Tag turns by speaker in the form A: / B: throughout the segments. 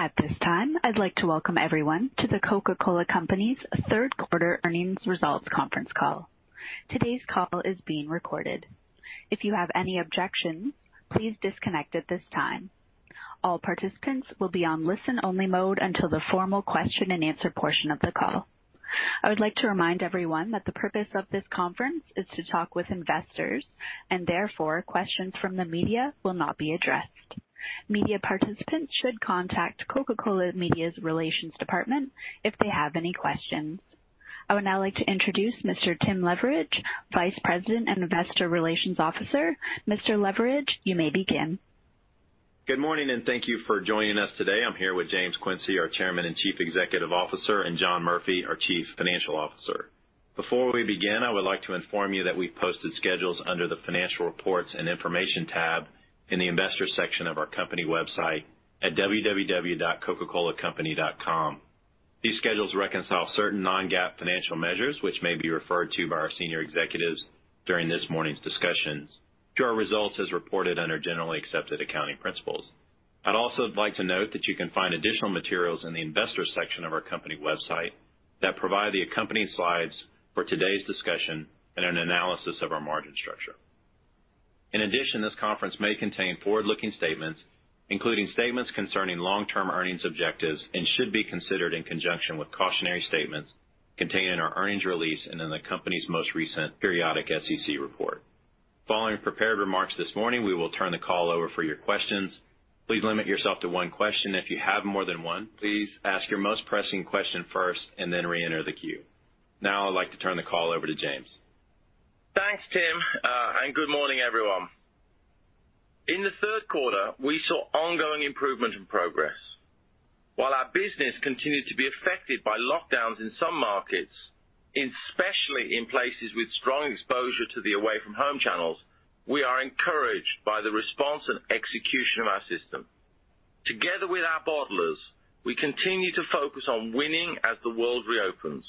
A: At this time, I'd like to welcome everyone to The Coca-Cola Company's third quarter earnings results conference call. Today's call is being recorded. If you have any objections, please disconnect at this time. All participants will be on listen-only mode until the formal question and answer portion of the call. I would like to remind everyone that the purpose of this conference is to talk with investors, and therefore, questions from the media will not be addressed. Media participants should contact Coca-Cola media's relations department if they have any questions. I would now like to introduce Mr. Tim Leveridge, Vice President and Investor Relations Officer. Mr. Leveridge, you may begin.
B: Good morning, and thank you for joining us today. I'm here with James Quincey, our Chairman and Chief Executive Officer, and John Murphy, our Chief Financial Officer. Before we begin, I would like to inform you that we've posted schedules under the financial reports and information tab in the investors section of our company website at www.coca-colacompany.com. These schedules reconcile certain non-GAAP financial measures, which may be referred to by our senior executives during this morning's discussions to our results as reported under generally accepted accounting principles. I'd also like to note that you can find additional materials in the investors section of our company website that provide the accompanying slides for today's discussion and an analysis of our margin structure. In addition, this conference may contain forward-looking statements, including statements concerning long-term earnings objectives, and should be considered in conjunction with cautionary statements contained in our earnings release and in the company's most recent periodic SEC report. Following prepared remarks this morning, we will turn the call over for your questions. Please limit yourself to one question. If you have more than one, please ask your most pressing question first and then reenter the queue. Now I'd like to turn the call over to James.
C: Thanks, Tim. Good morning, everyone. In the third quarter, we saw ongoing improvement and progress. While our business continued to be affected by lockdowns in some markets, especially in places with strong exposure to the away-from-home channels, we are encouraged by the response and execution of our system. Together with our bottlers, we continue to focus on winning as the world reopens.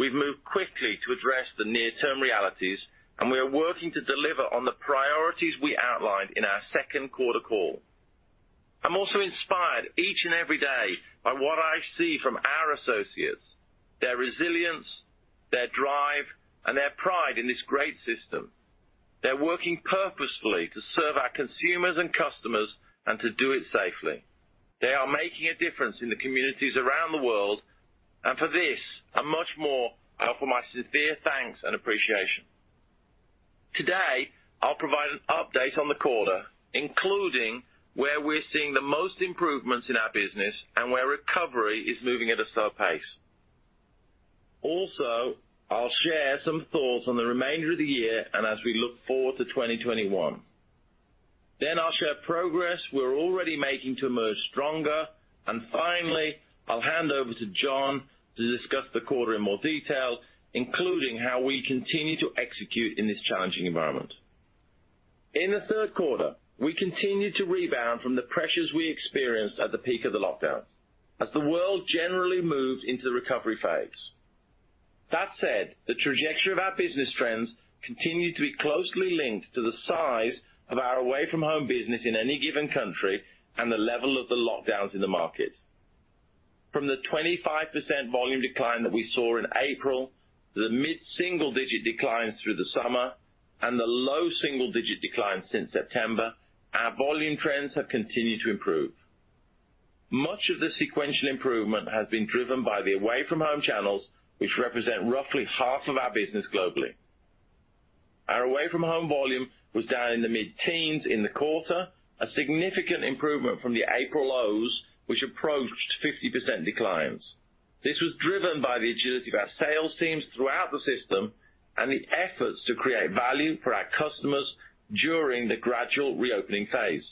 C: We've moved quickly to address the near-term realities. We are working to deliver on the priorities we outlined in our second quarter call. I'm also inspired each and every day by what I see from our associates, their resilience, their drive, and their pride in this great system. They're working purposefully to serve our consumers and customers and to do it safely. They are making a difference in the communities around the world. For this and much more, they offer my sincere thanks and appreciation. Today, I'll provide an update on the quarter, including where we're seeing the most improvements in our business and where recovery is moving at a slower pace. I'll share some thoughts on the remainder of the year and as we look forward to 2021. I'll share progress we're already making to emerge stronger, and finally, I'll hand over to John to discuss the quarter in more detail, including how we continue to execute in this challenging environment. In the third quarter, we continued to rebound from the pressures we experienced at the peak of the lockdown as the world generally moved into the recovery phase. That said, the trajectory of our business trends continued to be closely linked to the size of our away-from-home business in any given country and the level of the lockdowns in the market. From the 25% volume decline that we saw in April to the mid-single-digit declines through the summer and the low single-digit declines since September, our volume trends have continued to improve. Much of the sequential improvement has been driven by the away-from-home channels, which represent roughly half of our business globally. Our away-from-home volume was down in the mid-teens in the quarter, a significant improvement from the April lows, which approached 50% declines. This was driven by the agility of our sales teams throughout the system and the efforts to create value for our customers during the gradual reopening phase.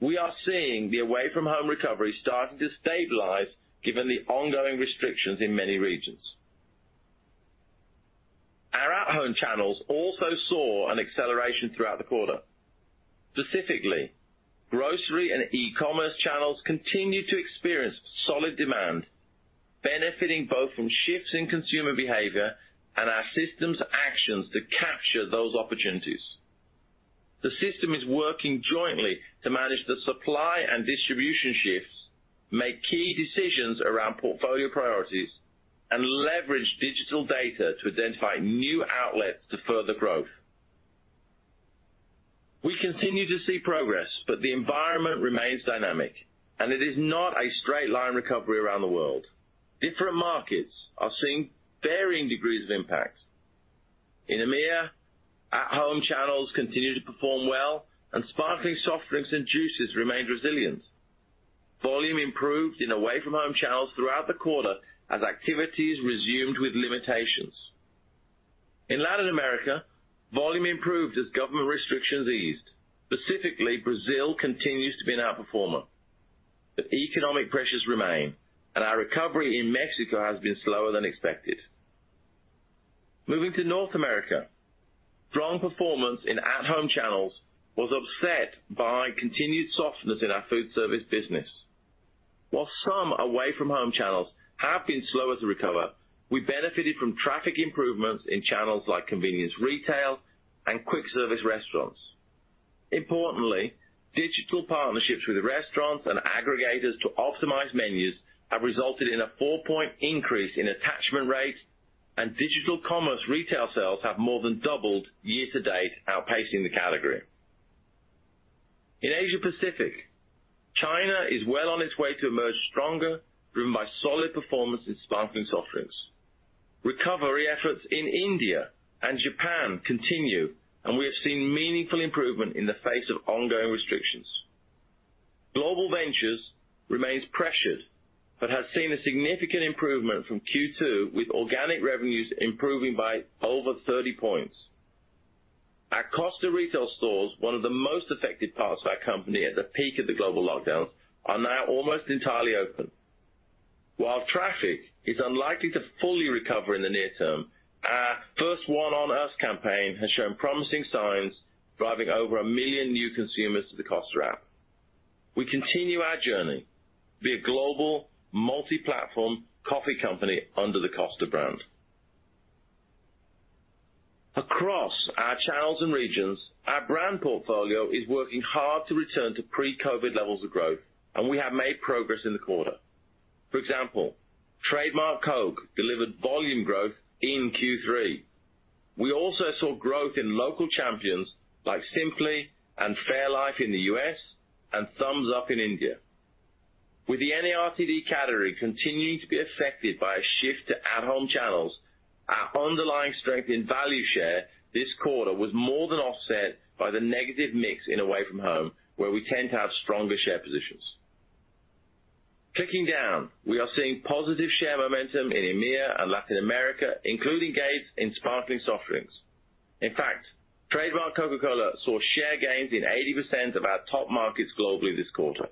C: We are seeing the away-from-home recovery starting to stabilize given the ongoing restrictions in many regions. Our at-home channels also saw an acceleration throughout the quarter. Specifically, grocery and e-commerce channels continued to experience solid demand, benefiting both from shifts in consumer behavior and our system's actions to capture those opportunities. The system is working jointly to manage the supply and distribution shifts, make key decisions around portfolio priorities, and leverage digital data to identify new outlets to further growth. We continue to see progress, but the environment remains dynamic, and it is not a straight line recovery around the world. Different markets are seeing varying degrees of impact. In EMEA, at-home channels continue to perform well, and sparkling soft drinks and juices remained resilient. Volume improved in away-from-home channels throughout the quarter as activities resumed with limitations. In Latin America, volume improved as government restrictions eased. Specifically, Brazil continues to be an outperformer, but economic pressures remain, and our recovery in Mexico has been slower than expected. Moving to North America, strong performance in at-home channels was offset by continued softness in our food service business. While some away-from-home channels have been slower to recover, we benefited from traffic improvements in channels like convenience retail and quick-service restaurants. Importantly, digital partnerships with restaurants and aggregators to optimize menus have resulted in a four-point increase in attachment rate, and digital commerce retail sales have more than doubled year-to-date, outpacing the category. In Asia Pacific, China is well on its way to emerge stronger, driven by solid performance in sparkling soft drinks. Recovery efforts in India and Japan continue, and we have seen meaningful improvement in the face of ongoing restrictions. Global Ventures remains pressured but has seen a significant improvement from Q2, with organic revenues improving by over 30 points. Our Costa retail stores, one of the most affected parts of our company at the peak of the global lockdowns, are now almost entirely open. While traffic is unlikely to fully recover in the near term, our First One on Us campaign has shown promising signs, driving over a million new consumers to the Costa app. We continue our journey to be a global multi-platform coffee company under the Costa brand. Across our channels and regions, our brand portfolio is working hard to return to pre-COVID levels of growth, and we have made progress in the quarter. For example, trademark Coke delivered volume growth in Q3. We also saw growth in local champions like Simply and fairlife in the U.S., and Thums Up in India. With the NARTD category continuing to be affected by a shift to at-home channels, our underlying strength in value share this quarter was more than offset by the negative mix in away from home, where we tend to have stronger share positions. Clicking down, we are seeing positive share momentum in EMEA and Latin America, including gains in sparkling soft drinks. In fact, trademark Coca-Cola saw share gains in 80% of our top markets globally this quarter.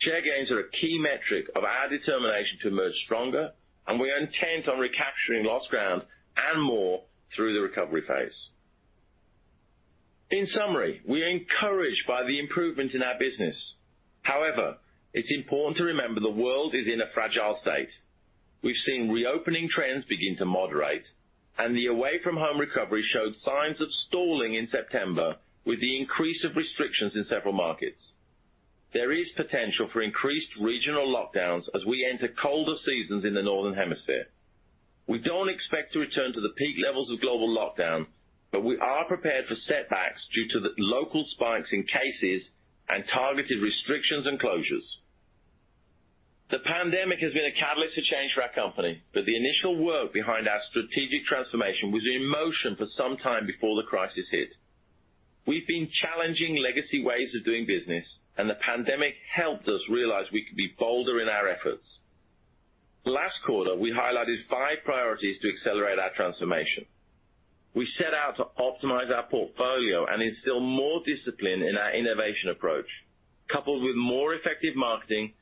C: Share gains are a key metric of our determination to emerge stronger, and we are intent on recapturing lost ground and more through the recovery phase. In summary, we are encouraged by the improvement in our business. However, it's important to remember the world is in a fragile state. We've seen reopening trends begin to moderate, and the away from home recovery showed signs of stalling in September with the increase of restrictions in several markets. There is potential for increased regional lockdowns as we enter colder seasons in the northern hemisphere. We don't expect to return to the peak levels of global lockdown, but we are prepared for setbacks due to the local spikes in cases and targeted restrictions and closures. The pandemic has been a catalyst of change for our company, but the initial work behind our strategic transformation was in motion for some time before the crisis hit. We've been challenging legacy ways of doing business, and the pandemic helped us realize we could be bolder in our efforts. Last quarter, we highlighted five priorities to accelerate our transformation. We set out to optimize our portfolio and instill more discipline in our innovation approach, coupled with more effective marketing,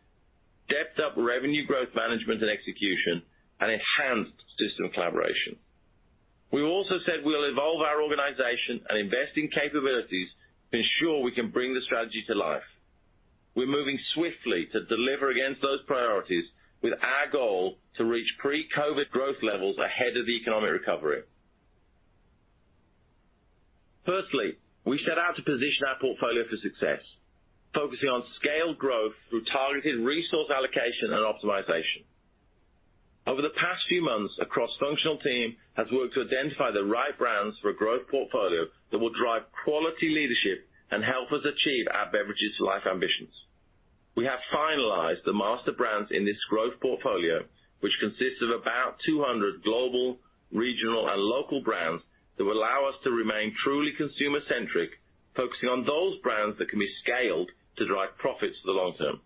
C: stepped up revenue growth management and execution, and enhanced system collaboration. We also said we'll evolve our organization and invest in capabilities to ensure we can bring the strategy to life. We're moving swiftly to deliver against those priorities, with our goal to reach pre-COVID growth levels ahead of the economic recovery. Firstly, we set out to position our portfolio for success, focusing on scaled growth through targeted resource allocation and optimization. Over the past few months, a cross-functional team has worked to identify the right brands for a growth portfolio that will drive quality leadership and help us achieve our Beverages for Life ambitions. We have finalized the master brands in this growth portfolio, which consists of about 200 global, regional, and local brands that will allow us to remain truly consumer-centric, focusing on those brands that can be scaled to drive profits for the long term.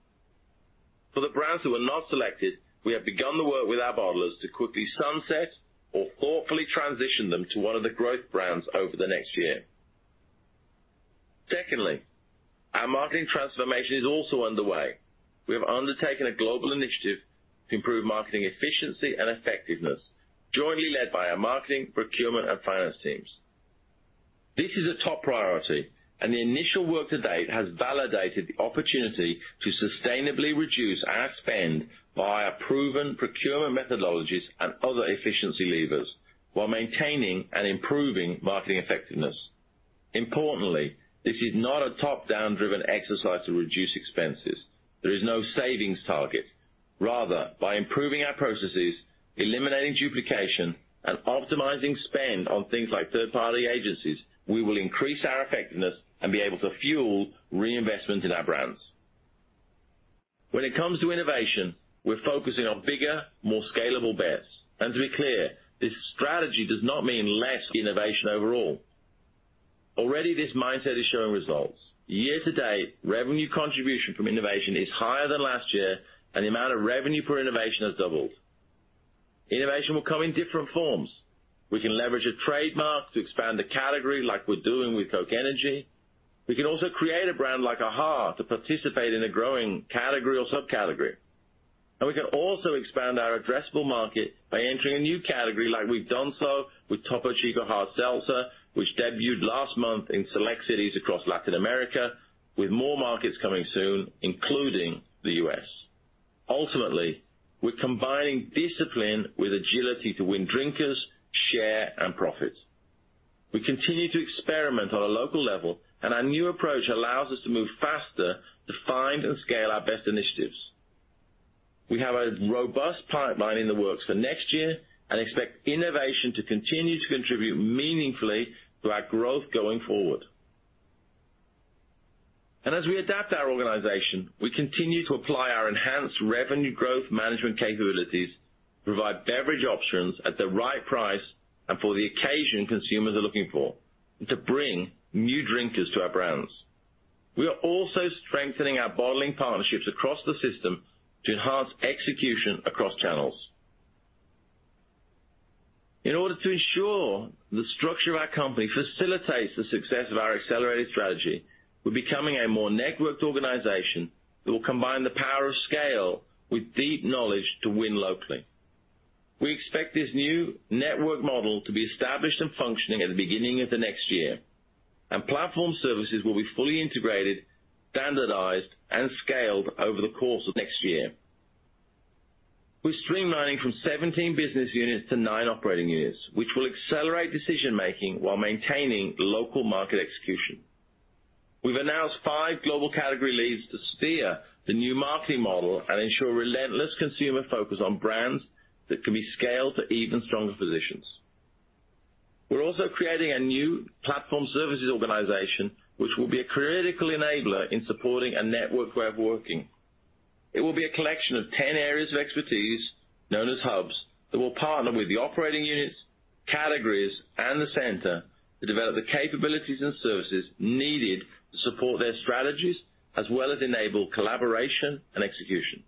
C: For the brands that were not selected, we have begun the work with our bottlers to quickly sunset or thoughtfully transition them to one of the growth brands over the next year. Secondly, our marketing transformation is also underway. We have undertaken a global initiative to improve marketing efficiency and effectiveness, jointly led by our marketing, procurement, and finance teams. This is a top priority, and the initial work to date has validated the opportunity to sustainably reduce our spend via proven procurement methodologies and other efficiency levers while maintaining and improving marketing effectiveness. Importantly, this is not a top-down driven exercise to reduce expenses. There is no savings target. Rather, by improving our processes, eliminating duplication, and optimizing spend on things like third-party agencies, we will increase our effectiveness and be able to fuel reinvestment in our brands. When it comes to innovation, we're focusing on bigger, more scalable bets. To be clear, this strategy does not mean less innovation overall. Already, this mindset is showing results. Year-to-date, revenue contribution from innovation is higher than last year, and the amount of revenue per innovation has doubled. Innovation will come in different forms. We can leverage a trademark to expand a category like we're doing with Coke Energy. We can also create a brand like AHA. to participate in a growing category or subcategory. We can also expand our addressable market by entering a new category like we've done so with Topo Chico Hard Seltzer, which debuted last month in select cities across Latin America, with more markets coming soon, including the U.S. Ultimately, we're combining discipline with agility to win drinkers, share, and profit. We continue to experiment on a local level, and our new approach allows us to move faster to find and scale our best initiatives. We have a robust pipeline in the works for next year and expect innovation to continue to contribute meaningfully to our growth going forward. As we adapt our organization, we continue to apply our enhanced revenue growth management capabilities to provide beverage options at the right price and for the occasion consumers are looking for, and to bring new drinkers to our brands. We are also strengthening our bottling partnerships across the system to enhance execution across channels. In order to ensure the structure of our company facilitates the success of our accelerated strategy, we're becoming a more networked organization that will combine the power of scale with deep knowledge to win locally. We expect this new network model to be established and functioning at the beginning of the next year, and platform services will be fully integrated, standardized, and scaled over the course of next year. We're streamlining from 17 business units to nine operating units, which will accelerate decision-making while maintaining local market execution. We've announced five global category leads to steer the new marketing model and ensure relentless consumer focus on brands that can be scaled to even stronger positions. We're also creating a new platform services organization, which will be a critical enabler in supporting a network way of working. It will be a collection of 10 areas of expertise, known as hubs, that will partner with the operating units, categories, and the center to develop the capabilities and services needed to support their strategies, as well as enable collaboration and execution.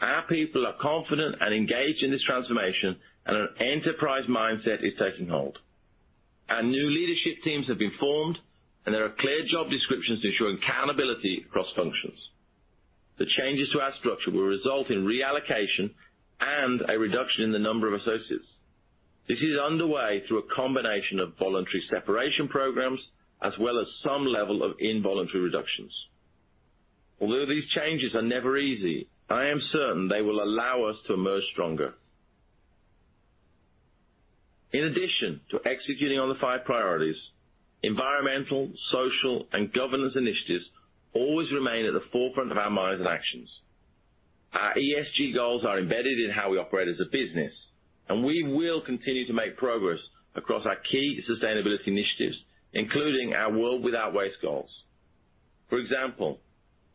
C: Our people are confident and engaged in this transformation, an enterprise mindset is taking hold. Our new leadership teams have been formed, there are clear job descriptions ensuring accountability across functions. The changes to our structure will result in reallocation and a reduction in the number of associates. This is underway through a combination of voluntary separation programs, as well as some level of involuntary reductions. Although these changes are never easy, I am certain they will allow us to emerge stronger. In addition to executing on the five priorities, environmental, social, and governance initiatives always remain at the forefront of our minds and actions. Our ESG goals are embedded in how we operate as a business, and we will continue to make progress across our key sustainability initiatives, including our World Without Waste goals.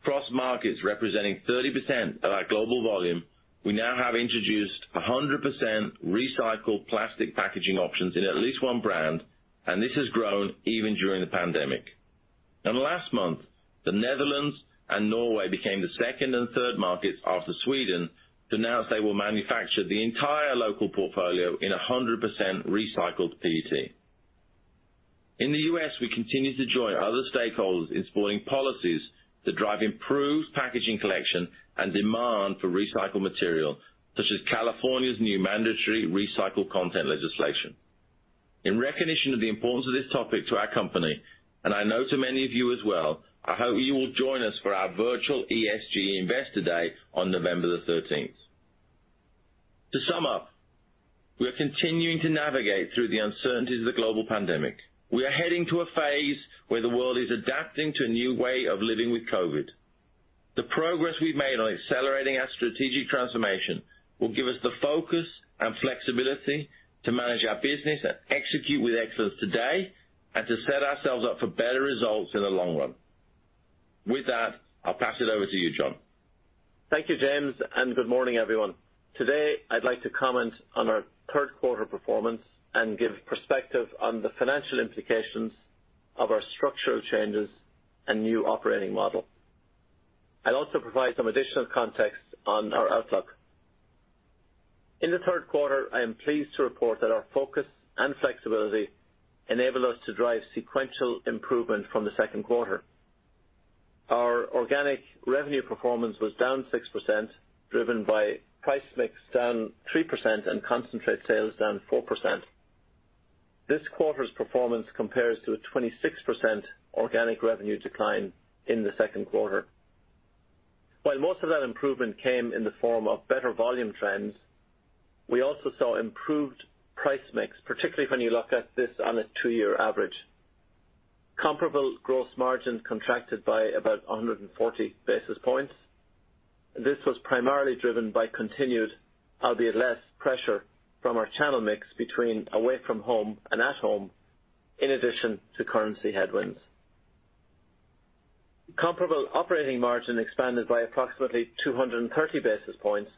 C: For example, across markets representing 30% of our global volume, we now have introduced 100% recycled plastic packaging options in at least one brand, and this has grown even during the pandemic. Last month, the Netherlands and Norway became the second and third markets after Sweden to announce they will manufacture the entire local portfolio in 100% recycled PET. In the U.S., we continue to join other stakeholders in supporting policies that drive improved packaging collection and demand for recycled material, such as California's new mandatory recycled content legislation. In recognition of the importance of this topic to our company, and I know to many of you as well, I hope you will join us for our virtual ESG Investor Day on November the 13th. To sum up, we are continuing to navigate through the uncertainties of the global pandemic. We are heading to a phase where the world is adapting to a new way of living with COVID. The progress we've made on accelerating our strategic transformation will give us the focus and flexibility to manage our business and execute with excellence today, and to set ourselves up for better results in the long run. With that, I'll pass it over to you, John.
D: Thank you, James, and good morning, everyone. Today, I'd like to comment on our third quarter performance and give perspective on the financial implications of our structural changes and new operating model. I'll also provide some additional context on our outlook. In the third quarter, I am pleased to report that our focus and flexibility enabled us to drive sequential improvement from the second quarter. Our organic revenue performance was down 6%, driven by price mix down 3% and concentrate sales down 4%. This quarter's performance compares to a 26% organic revenue decline in the second quarter. While most of that improvement came in the form of better volume trends, we also saw improved price mix, particularly when you look at this on a two-year average. Comparable gross margins contracted by about 140 basis points. This was primarily driven by continued, albeit less, pressure from our channel mix between away from home and at home, in addition to currency headwinds. Comparable operating margin expanded by approximately 230 basis points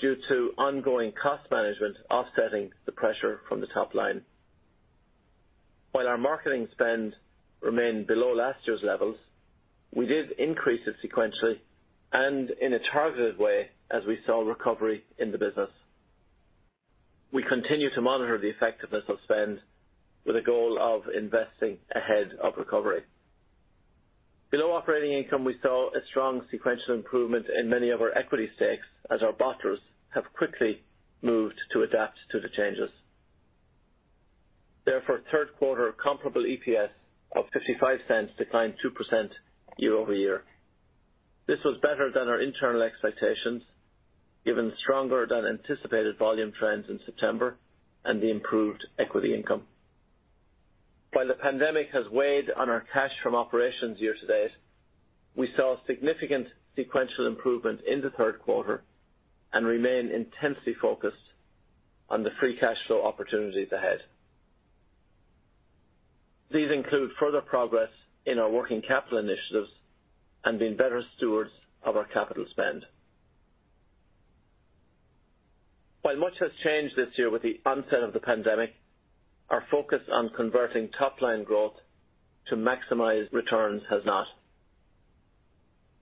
D: due to ongoing cost management offsetting the pressure from the top line. While our marketing spend remained below last year's levels, we did increase it sequentially and in a targeted way as we saw recovery in the business. We continue to monitor the effectiveness of spend with a goal of investing ahead of recovery. Below operating income, we saw a strong sequential improvement in many of our equity stakes as our bottlers have quickly moved to adapt to the changes. Therefore, third quarter comparable EPS of $0.55 declined 2% year-over-year. This was better than our internal expectations, given stronger than anticipated volume trends in September and the improved equity income. While the pandemic has weighed on our cash from operations year-to-date, we saw significant sequential improvement in the third quarter and remain intensely focused on the free cash flow opportunities ahead. These include further progress in our working capital initiatives and being better stewards of our capital spend. While much has changed this year with the onset of the pandemic, our focus on converting top-line growth to maximize returns has not.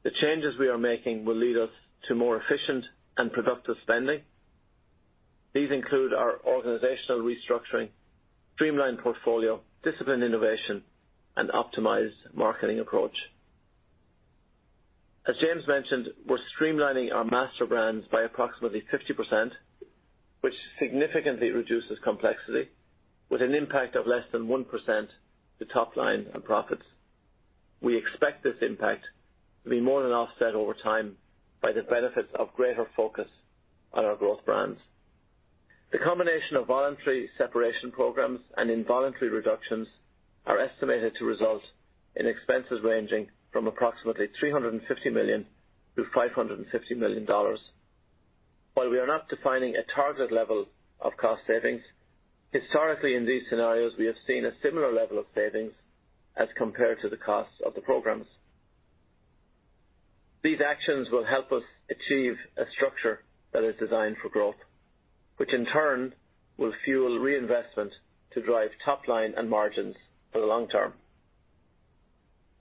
D: The changes we are making will lead us to more efficient and productive spending. These include our organizational restructuring, streamlined portfolio, disciplined innovation, and optimized marketing approach. As James mentioned, we're streamlining our master brands by approximately 50%, which significantly reduces complexity with an impact of less than 1% to top-line and profits. We expect this impact to be more than offset over time by the benefits of greater focus on our growth brands. The combination of voluntary separation programs and involuntary reductions are estimated to result in expenses ranging from approximately $350 million-$550 million. While we are not defining a target level of cost savings, historically, in these scenarios, we have seen a similar level of savings as compared to the costs of the programs. These actions will help us achieve a structure that is designed for growth, which in turn will fuel reinvestment to drive top line and margins for the long term.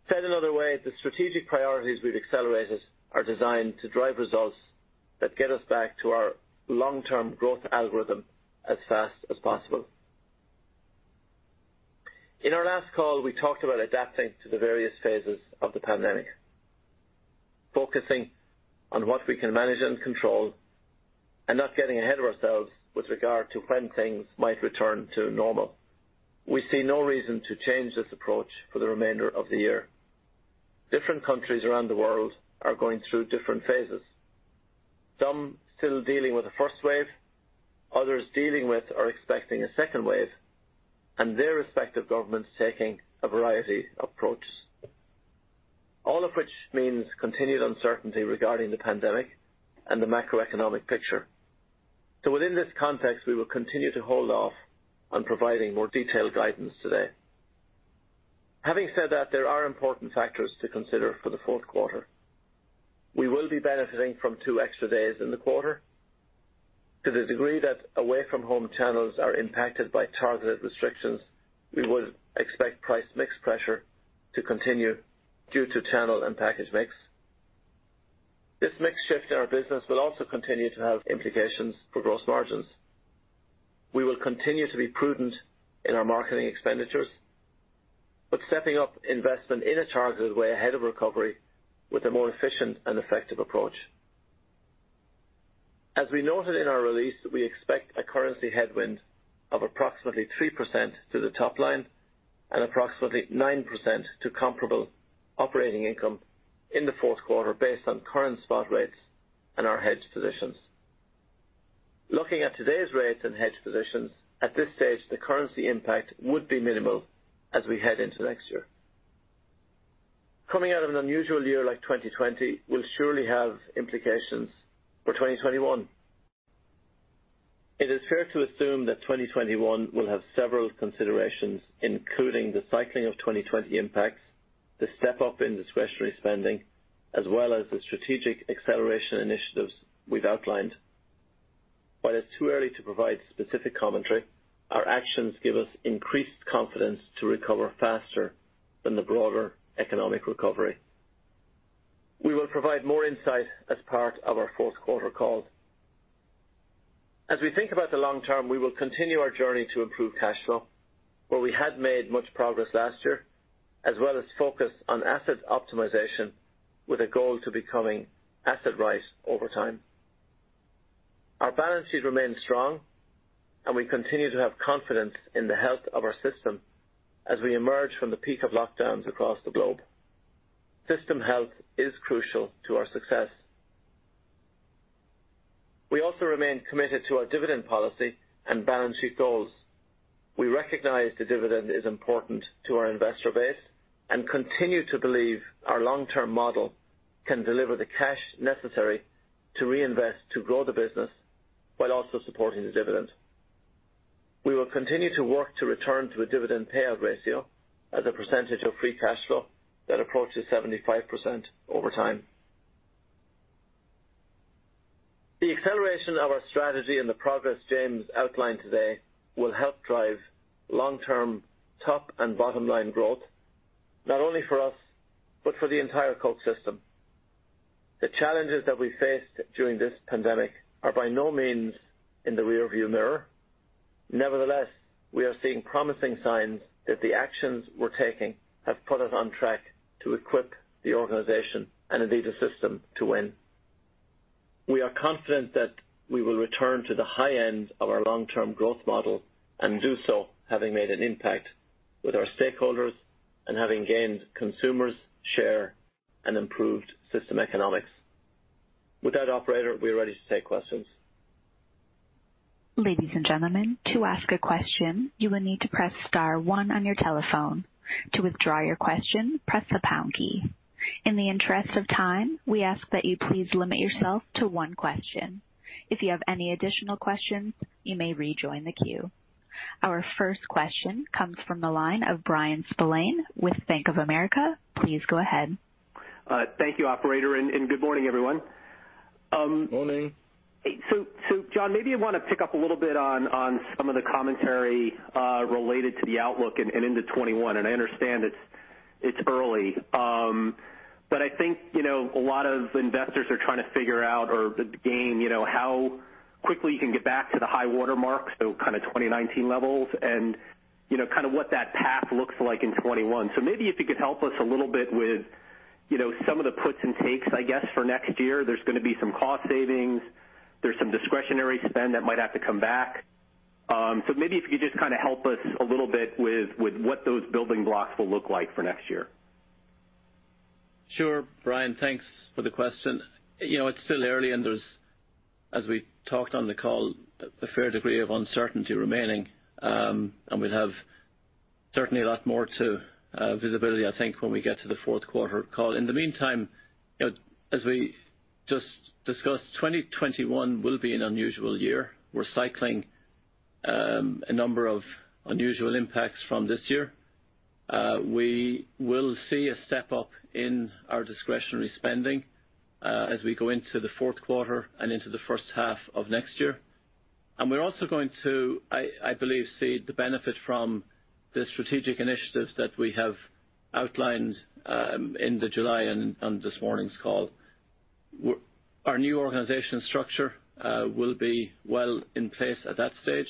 D: Said another way, the strategic priorities we've accelerated are designed to drive results that get us back to our long-term growth algorithm as fast as possible. In our last call, we talked about adapting to the various phases of the pandemic, focusing on what we can manage and control, and not getting ahead of ourselves with regard to when things might return to normal. We see no reason to change this approach for the remainder of the year. Different countries around the world are going through different phases. Some still dealing with the first wave, others dealing with or expecting a second wave, and their respective governments taking a variety of approaches. All of which means continued uncertainty regarding the pandemic and the macroeconomic picture. Within this context, we will continue to hold off on providing more detailed guidance today. Having said that, there are important factors to consider for the fourth quarter. We will be benefiting from two extra days in the quarter. To the degree that away from home channels are impacted by targeted restrictions, we would expect price mix pressure to continue due to channel and package mix. This mix shift in our business will also continue to have implications for gross margins. We will continue to be prudent in our marketing expenditures, but stepping up investment in a targeted way ahead of recovery with a more efficient and effective approach. As we noted in our release, we expect a currency headwind of approximately 3% to the top line and approximately 9% to comparable operating income in the fourth quarter based on current spot rates and our hedge positions. Looking at today's rates and hedge positions, at this stage, the currency impact would be minimal as we head into next year. Coming out of an unusual year like 2020 will surely have implications for 2021. It is fair to assume that 2021 will have several considerations, including the cycling of 2020 impacts, the step-up in discretionary spending, as well as the strategic acceleration initiatives we've outlined. While it's too early to provide specific commentary, our actions give us increased confidence to recover faster than the broader economic recovery. We will provide more insight as part of our fourth quarter call. As we think about the long term, we will continue our journey to improve cash flow, where we had made much progress last year, as well as focus on asset optimization with a goal to becoming asset right over time. Our balance sheet remains strong, and we continue to have confidence in the health of our system as we emerge from the peak of lockdowns across the globe. System health is crucial to our success. We also remain committed to our dividend policy and balance sheet goals. We recognize the dividend is important to our investor base and continue to believe our long-term model can deliver the cash necessary to reinvest to grow the business while also supporting the dividend. We will continue to work to return to a dividend payout ratio as a percentage of free cash flow that approaches 75% over time. The acceleration of our strategy and the progress James outlined today will help drive long-term top and bottom line growth, not only for us, but for the entire Coke system. The challenges that we faced during this pandemic are by no means in the rear view mirror. Nevertheless, we are seeing promising signs that the actions we're taking have put us on track to equip the organization and indeed, a system to win. We are confident that we will return to the high end of our long-term growth model and do so having made an impact with our stakeholders and having gained consumers' share and improved system economics. With that, operator, we are ready to take questions.
A: Ladies and gentlemen, to ask a question, you will need to press star one on your telephone. To withdraw your question, press the pound key. In the interest of time, we ask that you please limit yourself to one question. If you have any additional questions, you may rejoin the queue. Our first question comes from the line of Bryan Spillane with Bank of America. Please go ahead.
E: Thank you, operator, and good morning, everyone.
D: Morning.
E: John, maybe you want to pick up a little bit on some of the commentary related to the outlook and into 2021. I understand it's early, but I think a lot of investors are trying to figure out or gain how quickly you can get back to the high water mark, so kind of 2019 levels and kind of what that path looks like in 2021. Maybe if you could help us a little bit with some of the puts and takes, I guess, for next year. There's going to be some cost savings. There's some discretionary spend that might have to come back. Maybe if you could just kind of help us a little bit with what those building blocks will look like for next year.
D: Sure. Bryan, thanks for the question. It's still early and there's, as we talked on the call, a fair degree of uncertainty remaining. We'll have certainly a lot more to visibility, I think, when we get to the fourth quarter call. In the meantime, as we just discussed, 2021 will be an unusual year. We're cycling a number of unusual impacts from this year. We will see a step-up in our discretionary spending as we go into the fourth quarter and into the first half of next year. We're also going to, I believe, see the benefit from the strategic initiatives that we have outlined in the July and this morning's call. Our new organization structure will be well in place at that stage.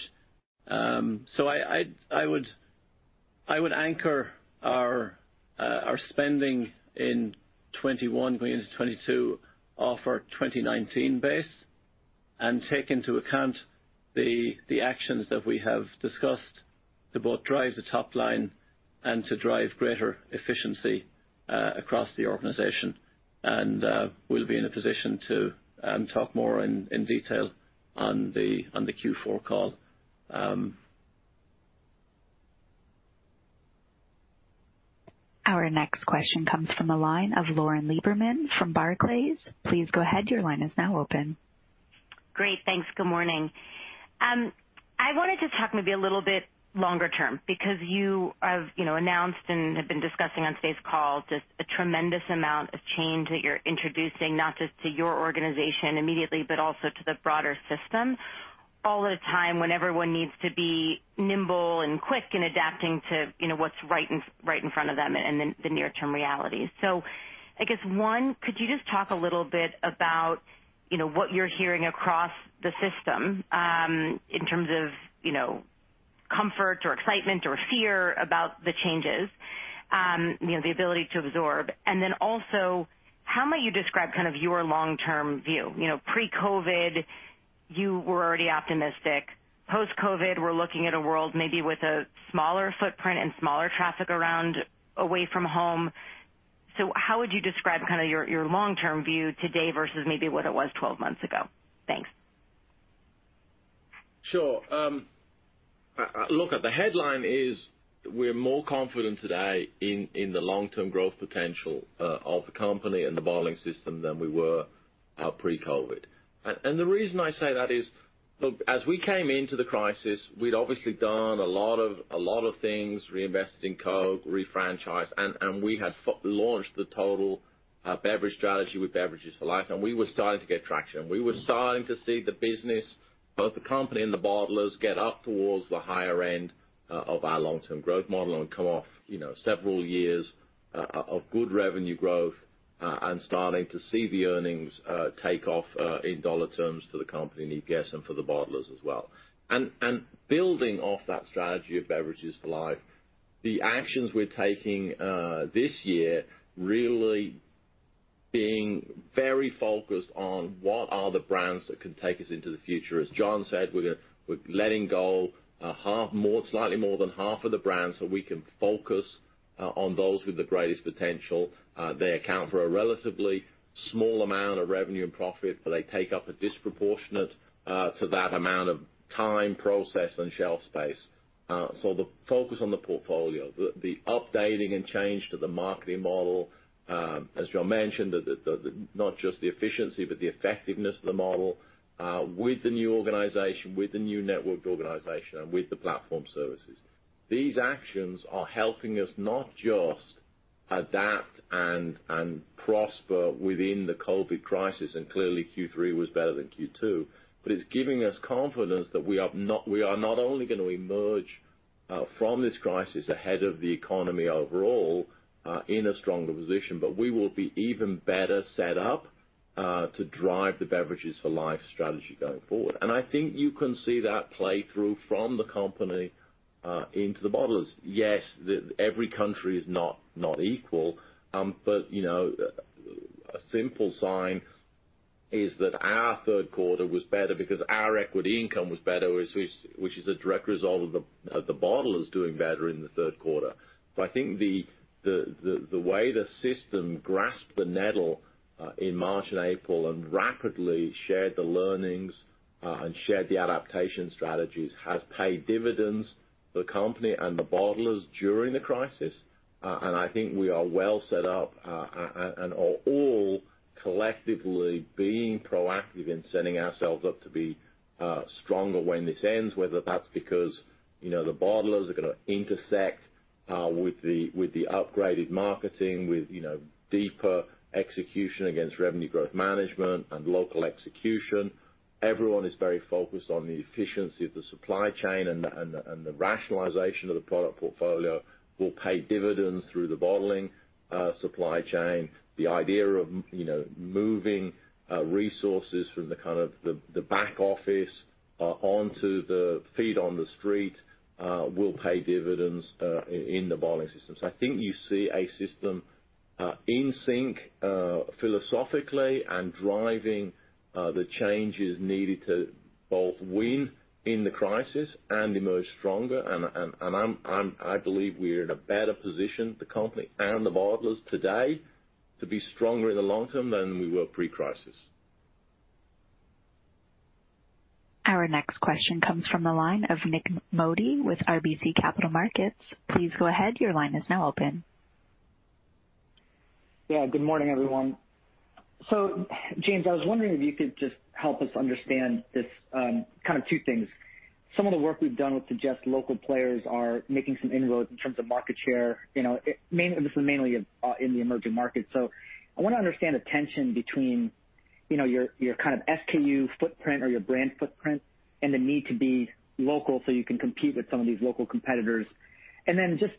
D: I would anchor our spending in 2021 going into 2022 off our 2019 base and take into account the actions that we have discussed to both drive the top line and to drive greater efficiency across the organization. We'll be in a position to talk more in detail on the Q4 call.
A: Our next question comes from the line of Lauren Lieberman from Barclays. Please go ahead. Your line is now open.
F: Great. Thanks. Good morning. I wanted to talk maybe a little bit longer term because you have announced and have been discussing on today's call just a tremendous amount of change that you're introducing, not just to your organization immediately, but also to the broader system, all at a time when everyone needs to be nimble and quick in adapting to what's right in front of them and then the near term realities. I guess one, could you just talk a little bit about what you're hearing across the system in terms of comfort or excitement or fear about the changes, the ability to absorb? Then also, how might you describe kind of your long term view? Pre-COVID, you were already optimistic. Post-COVID, we're looking at a world maybe with a smaller footprint and smaller traffic around away from home. How would you describe kind of your long term view today versus maybe what it was 12 months ago? Thanks.
C: Sure. Look, the headline is we're more confident today in the long term growth potential of the company and the bottling system than we were pre-COVID. The reason I say that is, look, as we came into the crisis, we'd obviously done a lot of things, reinvested in Coke, refranchised, and we had launched the total beverage strategy with Beverages for Life, and we were starting to get traction. We were starting to see the business, both the company and the bottlers, get up towards the higher end of our long term growth model and come off several years of good revenue growth and starting to see the earnings take off in dollar terms for the company and I guess, and for the bottlers as well. Building off that strategy of Beverages for Life, the actions we're taking this year really being very focused on what are the brands that can take us into the future. As John said, we're letting go slightly more than half of the brands so we can focus on those with the greatest potential. They account for a relatively small amount of revenue and profit, but they take up a disproportionate to that amount of time, process, and shelf space. The focus on the portfolio, the updating and change to the marketing model, as John mentioned, not just the efficiency, but the effectiveness of the model with the new organization, with the new networked organization and with the platform services. These actions are helping us not just adapt and prosper within the COVID crisis, and clearly Q3 was better than Q2, but it's giving us confidence that we are not only going to emerge From this crisis ahead of the economy overall, in a stronger position. We will be even better set up to drive the Beverages for Life strategy going forward. And I think you can see that play through from the company into the bottlers. Yes, every country is not equal. A simple sign is that our third quarter was better because our equity income was better, which is a direct result of the bottlers doing better in the third quarter. I think the way the system grasped the nettle in March and April and rapidly shared the learnings and shared the adaptation strategies has paid dividends to the company and the bottlers during the crisis. I think we are well set up and are all collectively being proactive in setting ourselves up to be stronger when this ends, whether that's because the bottlers are going to intersect with the upgraded marketing, with deeper execution against revenue growth management and local execution. Everyone is very focused on the efficiency of the supply chain, and the rationalization of the product portfolio will pay dividends through the bottling supply chain. The idea of moving resources from the back office onto the feet on the street will pay dividends in the bottling system. I think you see a system in sync philosophically and driving the changes needed to both win in the crisis and emerge stronger, and I believe we're in a better position, the company and the bottlers today, to be stronger in the long term than we were pre-crisis.
A: Our next question comes from the line of Nik Modi with RBC Capital Markets. Please go ahead. Your line is now open.
G: Yeah. Good morning, everyone. James, I was wondering if you could just help us understand this, kind of two things. Some of the work we've done would suggest local players are making some inroads in terms of market share. This is mainly in the emerging markets. I want to understand the tension between your SKU footprint or your brand footprint and the need to be local so you can compete with some of these local competitors. Just,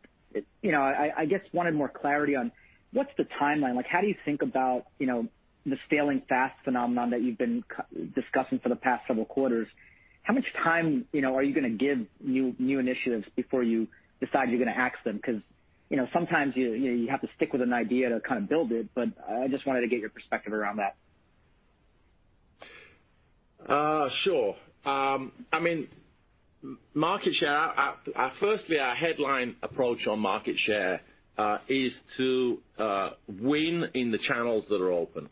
G: I guess wanted more clarity on what's the timeline? How do you think about the scaling fast phenomenon that you've been discussing for the past several quarters? How much time are you going to give new initiatives before you decide you're going to axe them? Sometimes you have to stick with an idea to build it, but I just wanted to get your perspective around that.
C: Sure. Market share. Our headline approach on market share is to win in the channels that are open.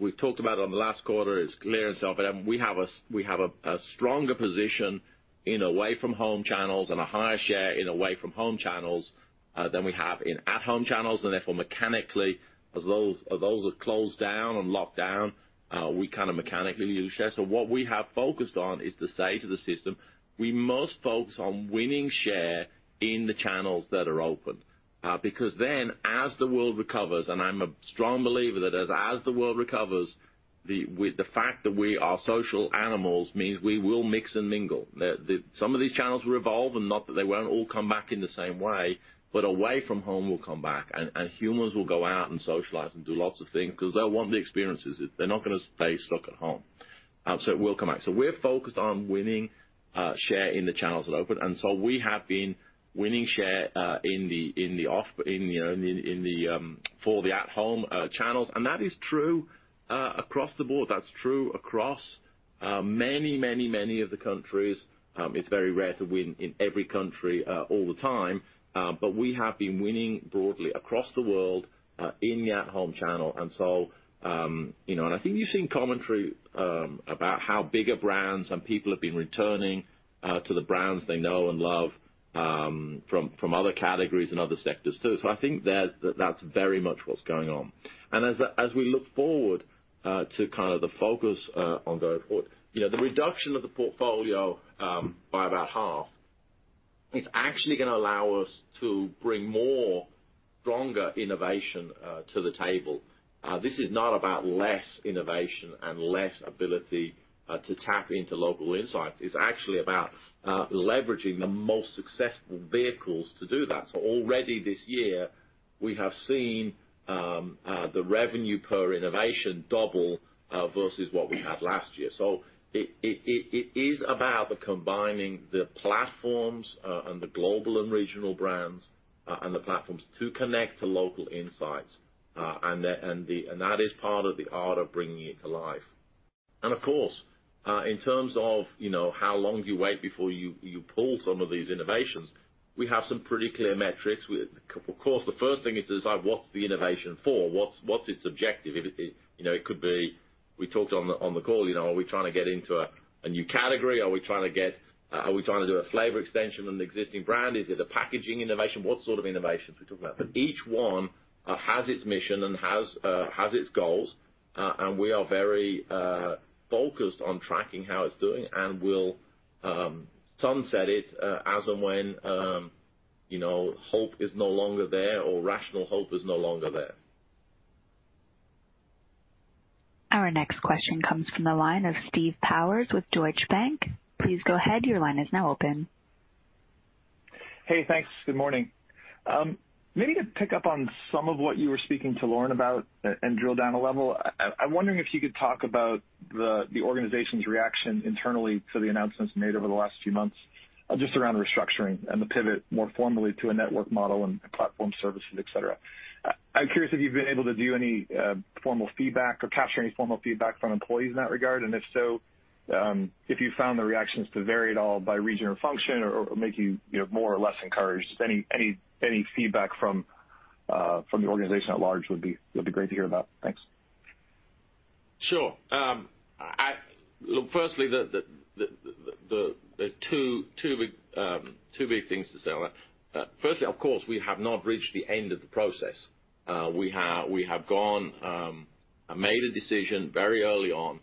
C: We've talked about it on the last quarter, it's clear as day. We have a stronger position in away-from-home channels and a higher share in away-from-home channels than we have in at-home channels, therefore mechanically, as those have closed down on lockdown, we kind of mechanically lose share. What we have focused on is to say to the system, we must focus on winning share in the channels that are open. Because, as the world recovers, I'm a strong believer that as the world recovers, the fact that we are social animals means we will mix and mingle. Some of these channels will evolve and not that they won't all come back in the same way, but away from home will come back, and humans will go out and socialize and do lots of things because they'll want the experiences. They're not going to stay stuck at home. It will come back. We're focused on winning share in the channels that are open. We have been winning share for the at-home channels. That is true across the board. That's true across many of the countries. It's very rare to win in every country all the time. We have been winning broadly across the world, in the at-home channel. I think you've seen commentary about how bigger brands and people have been returning to the brands they know and love from other categories and other sectors, too. I think that's very much what's going on. As we look forward to the focus on going forward, the reduction of the portfolio by about half is actually going to allow us to bring more stronger innovation to the table. This is not about less innovation and less ability to tap into local insights. It's actually about leveraging the most successful vehicles to do that. Already this year, we have seen the revenue per innovation double versus what we had last year. It is about the combining the platforms and the global and regional brands, and the platforms to connect to local insights. That is part of the art of bringing it to life. Of course, in terms of how long do you wait before you pull some of these innovations? We have some pretty clear metrics. Of course, the first thing is to decide what's the innovation for, what's its objective? It could be, we talked on the call, are we trying to get into a new category? Are we trying to do a flavor extension on the existing brand? Is it a packaging innovation? What sort of innovations are we talking about? Each one has its mission and has its goals. We are very focused on tracking how it's doing and will sunset it as and when hope is no longer there or rational hope is no longer there.
A: Our next question comes from the line of Steve Powers with Deutsche Bank. Please go ahead. Your line is now open.
H: Hey, thanks. Good morning. Maybe to pick up on some of what you were speaking to Lauren about and drill down a level, I'm wondering if you could talk about the organization's reaction internally to the announcements made over the last few months, just around the restructuring and the pivot more formally to a network model and platform services, et cetera. I'm curious if you've been able to do any formal feedback or capture any formal feedback from employees in that regard, and if so, if you found the reactions to vary at all by region or function or make you more or less encouraged. Any feedback from the organization at large would be great to hear about. Thanks.
C: Sure. Look, firstly, there are two big things to say on that. Firstly, of course, we have not reached the end of the process. We have made a decision very early on,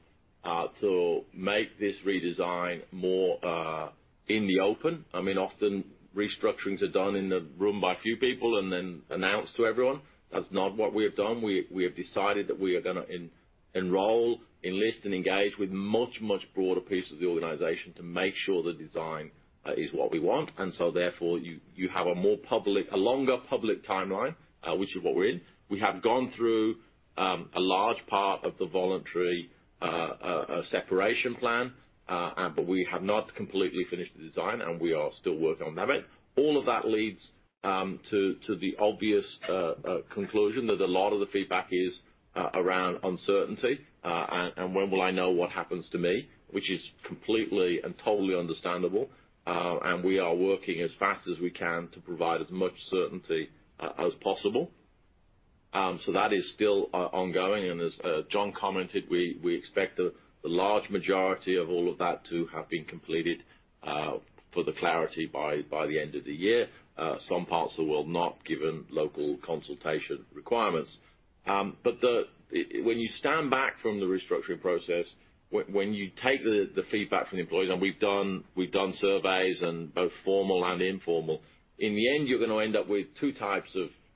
C: to make this redesign more in the open. Often, restructurings are done in the room by a few people and then announced to everyone. That's not what we have done. We have decided that we are going to enlist and engage with much broader piece of the organization to make sure the design is what we want. Therefore, you have a longer public timeline, which is what we're in. We have gone through a large part of the voluntary separation plan, but we have not completely finished the design, and we are still working on that. All of that leads to the obvious conclusion that a lot of the feedback is around uncertainty, and when will I know what happens to me, which is completely and totally understandable. We are working as fast as we can to provide as much certainty as possible. That is still ongoing, and as John commented, we expect the large majority of all of that to have been completed for the clarity by the end of the year. Some parts of the world, not given local consultation requirements. When you stand back from the restructuring process, when you take the feedback from the employees, and we've done surveys and both formal and informal. In the end, you're going to end up with two types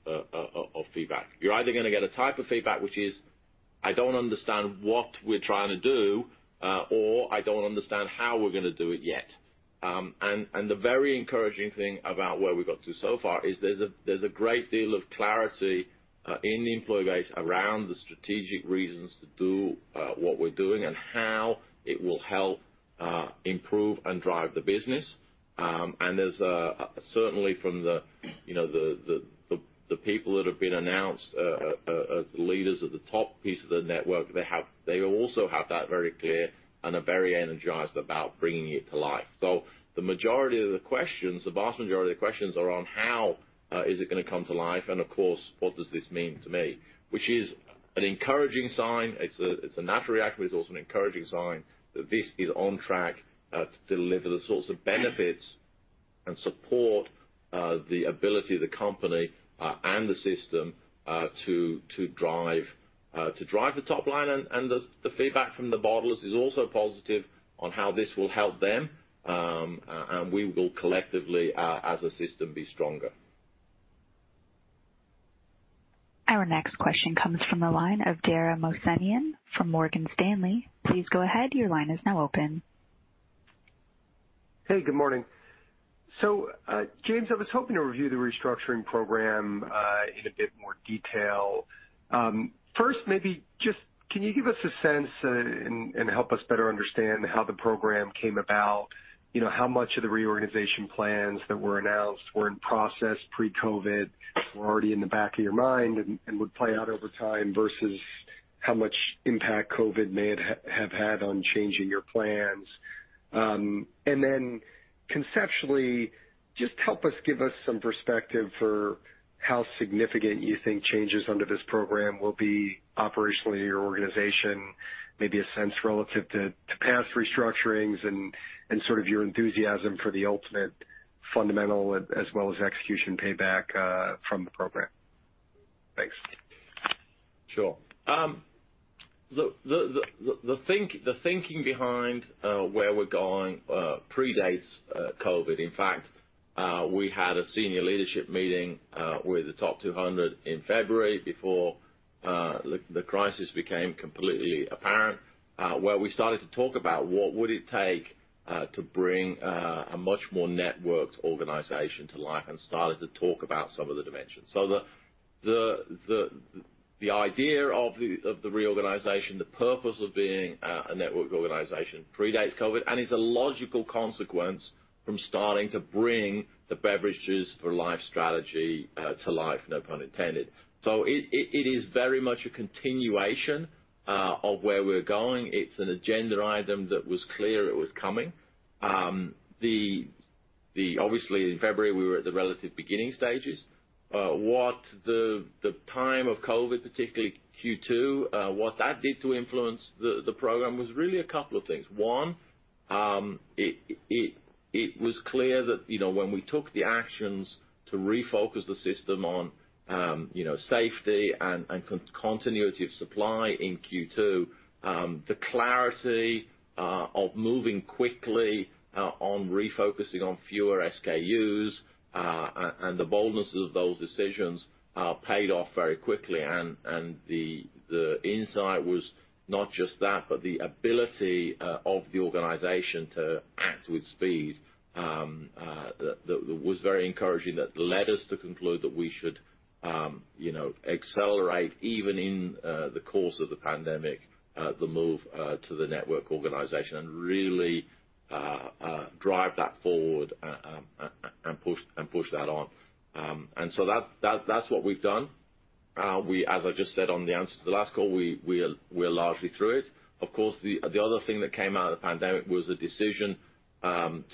C: of feedback. You're either going to get a type of feedback, which is, I don't understand what we're trying to do, or I don't understand how we're going to do it yet. The very encouraging thing about where we got to so far is there's a great deal of clarity in the employee base around the strategic reasons to do what we're doing and how it will help improve and drive the business. There's certainly from the people that have been announced as leaders at the top piece of the network, they also have that very clear and are very energized about bringing it to life. The majority of the questions, the vast majority of the questions are on how is it going to come to life, and of course, what does this mean to me? Which is an encouraging sign. It's a natural reaction, but it's also an encouraging sign that this is on track to deliver the sorts of benefits and support the ability of the company and the system to drive the top line. The feedback from the bottlers is also positive on how this will help them. We will collectively, as a system, be stronger.
A: Our next question comes from the line of Dara Mohsenian from Morgan Stanley. Please go ahead. Your line is now open.
I: Hey, good morning. James, I was hoping to review the restructuring program in a bit more detail. First, maybe just can you give us a sense and help us better understand how the program came about? How much of the reorganization plans that were announced were in process pre-COVID, were already in the back of your mind and would play out over time versus how much impact COVID may have had on changing your plans. Conceptually, just help us give us some perspective for how significant you think changes under this program will be operationally in your organization, maybe a sense relative to past restructurings and sort of your enthusiasm for the ultimate fundamental as well as execution payback from the program. Thanks.
C: Sure. The thinking behind where we're going predates COVID. In fact, we had a senior leadership meeting with the top 200 in February before the crisis became completely apparent, where we started to talk about what would it take to bring a much more networked organization to life and started to talk about some of the dimensions. The idea of the reorganization, the purpose of being a networked organization predates COVID, and is a logical consequence from starting to bring the Beverages for Life strategy to life, no pun intended. It is very much a continuation of where we're going. It's an agenda item that was clear it was coming. Obviously, in February, we were at the relative beginning stages. What the time of COVID, particularly Q2, what that did to influence the program was really a couple of things. One, it was clear that when we took the actions to refocus the system on safety and continuity of supply in Q2. The clarity of moving quickly on refocusing on fewer SKUs, and the boldness of those decisions paid off very quickly. The insight was not just that, but the ability of the organization to act with speed that was very encouraging, that led us to conclude that we should accelerate, even in the course of the pandemic, the move to the network organization and really drive that forward and push that on. That's what we've done. As I just said on the answer to the last call, we're largely through it. Of course, the other thing that came out of the pandemic was the decision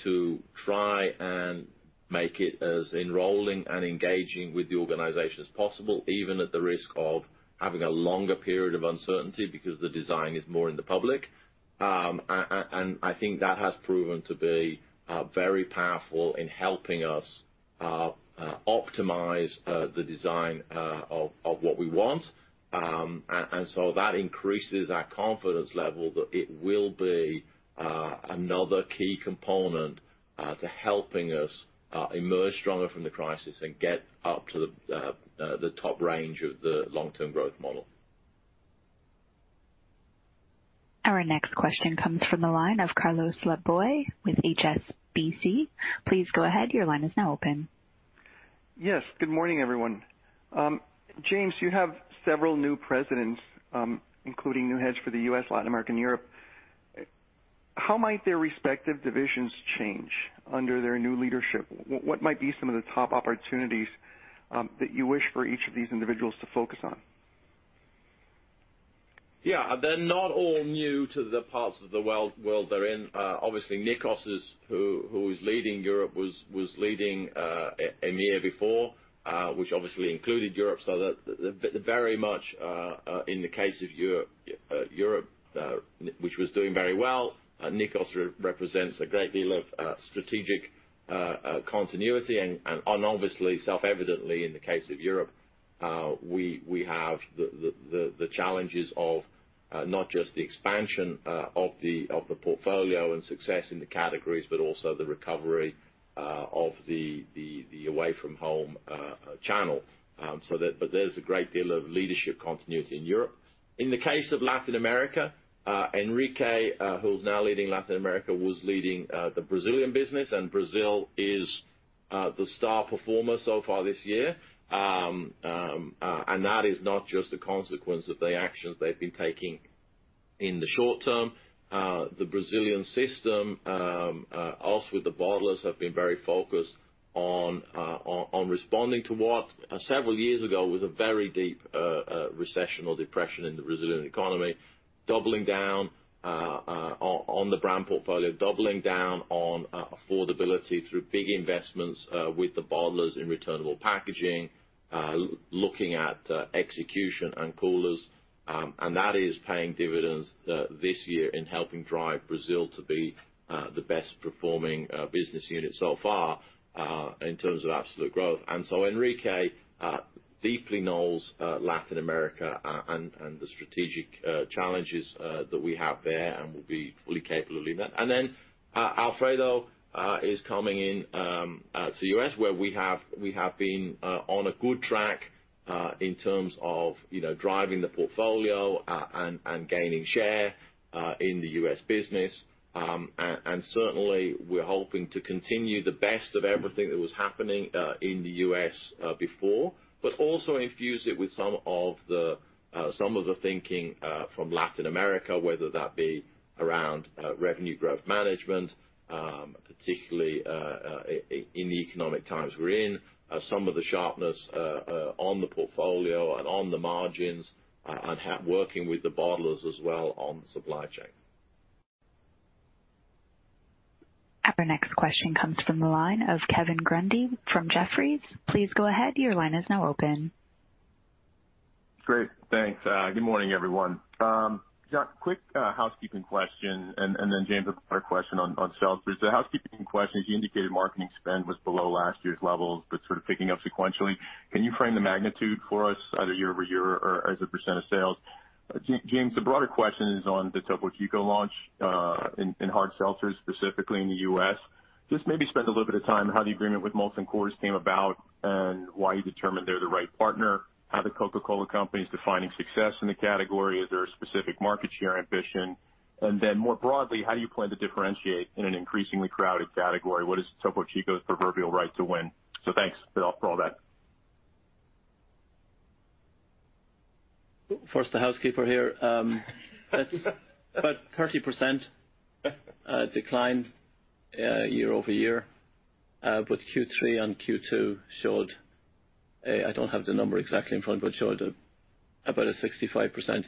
C: to try and make it as enrolling and engaging with the organization as possible, even at the risk of having a longer period of uncertainty because the design is more in the public. I think that has proven to be very powerful in helping us optimize the design of what we want. That increases our confidence level that it will be another key component to helping us emerge stronger from the crisis and get up to the top range of the long-term growth model.
A: Our next question comes from the line of Carlos Laboy with HSBC. Please go ahead.
J: Yes. Good morning, everyone. James, you have several new presidents, including new heads for the U.S., Latin America, and Europe. How might their respective divisions change under their new leadership? What might be some of the top opportunities that you wish for each of these individuals to focus on?
C: Yeah. They're not all new to the parts of the world they're in. Obviously, Nikos, who is leading Europe, was leading EMEA before, which obviously included Europe. Very much, in the case of Europe, which was doing very well, Nikos represents a great deal of strategic continuity and obviously, self-evidently, in the case of Europe, we have the challenges of not just the expansion of the portfolio and success in the categories, but also the recovery of the away-from-home channel. There's a great deal of leadership continuity in Europe. In the case of Latin America, Henrique, who's now leading Latin America, was leading the Brazilian business, and Brazil is the star performer so far this year. That is not just a consequence of the actions they've been taking in the short term. The Brazilian system, us with the bottlers, have been very focused on responding to what, several years ago, was a very deep recession or depression in the Brazilian economy, doubling down on the brand portfolio, doubling down on affordability through big investments with the bottlers in returnable packaging, looking at execution and coolers. That is paying dividends this year in helping drive Brazil to be the best performing business unit so far in terms of absolute growth. Henrique deeply knows Latin America and the strategic challenges that we have there and will be fully capable of doing that. Alfredo is coming in to U.S., where we have been on a good track in terms of driving the portfolio and gaining share in the U.S. business. Certainly, we're hoping to continue the best of everything that was happening in the U.S. before, but also infuse it with some of the thinking from Latin America, whether that be around revenue growth management, particularly in the economic times we're in, some of the sharpness on the portfolio and on the margins and working with the bottlers as well on the supply chain.
A: Our next question comes from the line of Kevin Grundy from Jefferies.
K: Great. Thanks. Good morning, everyone. John, quick housekeeping question, then James, I've got a question on seltzers. The housekeeping question is, you indicated marketing spend was below last year's levels, but sort of picking up sequentially. Can you frame the magnitude for us either year-over-year or as a percent of sales? James, the broader question is on the Topo Chico launch in hard seltzers, specifically in the U.S. Just maybe spend a little bit of time on how the agreement with Molson Coors came about and why you determined they're the right partner, how The Coca-Cola Company is defining success in the category. Is there a specific market share ambition? Then more broadly, how do you plan to differentiate in an increasingly crowded category? What is Topo Chico's proverbial right to win? Thanks for all that.
D: First, the housekeeper here. About 30% decline year-over-year, but Q3 and Q2 showed, I don't have the number exactly in front, but showed about a 65%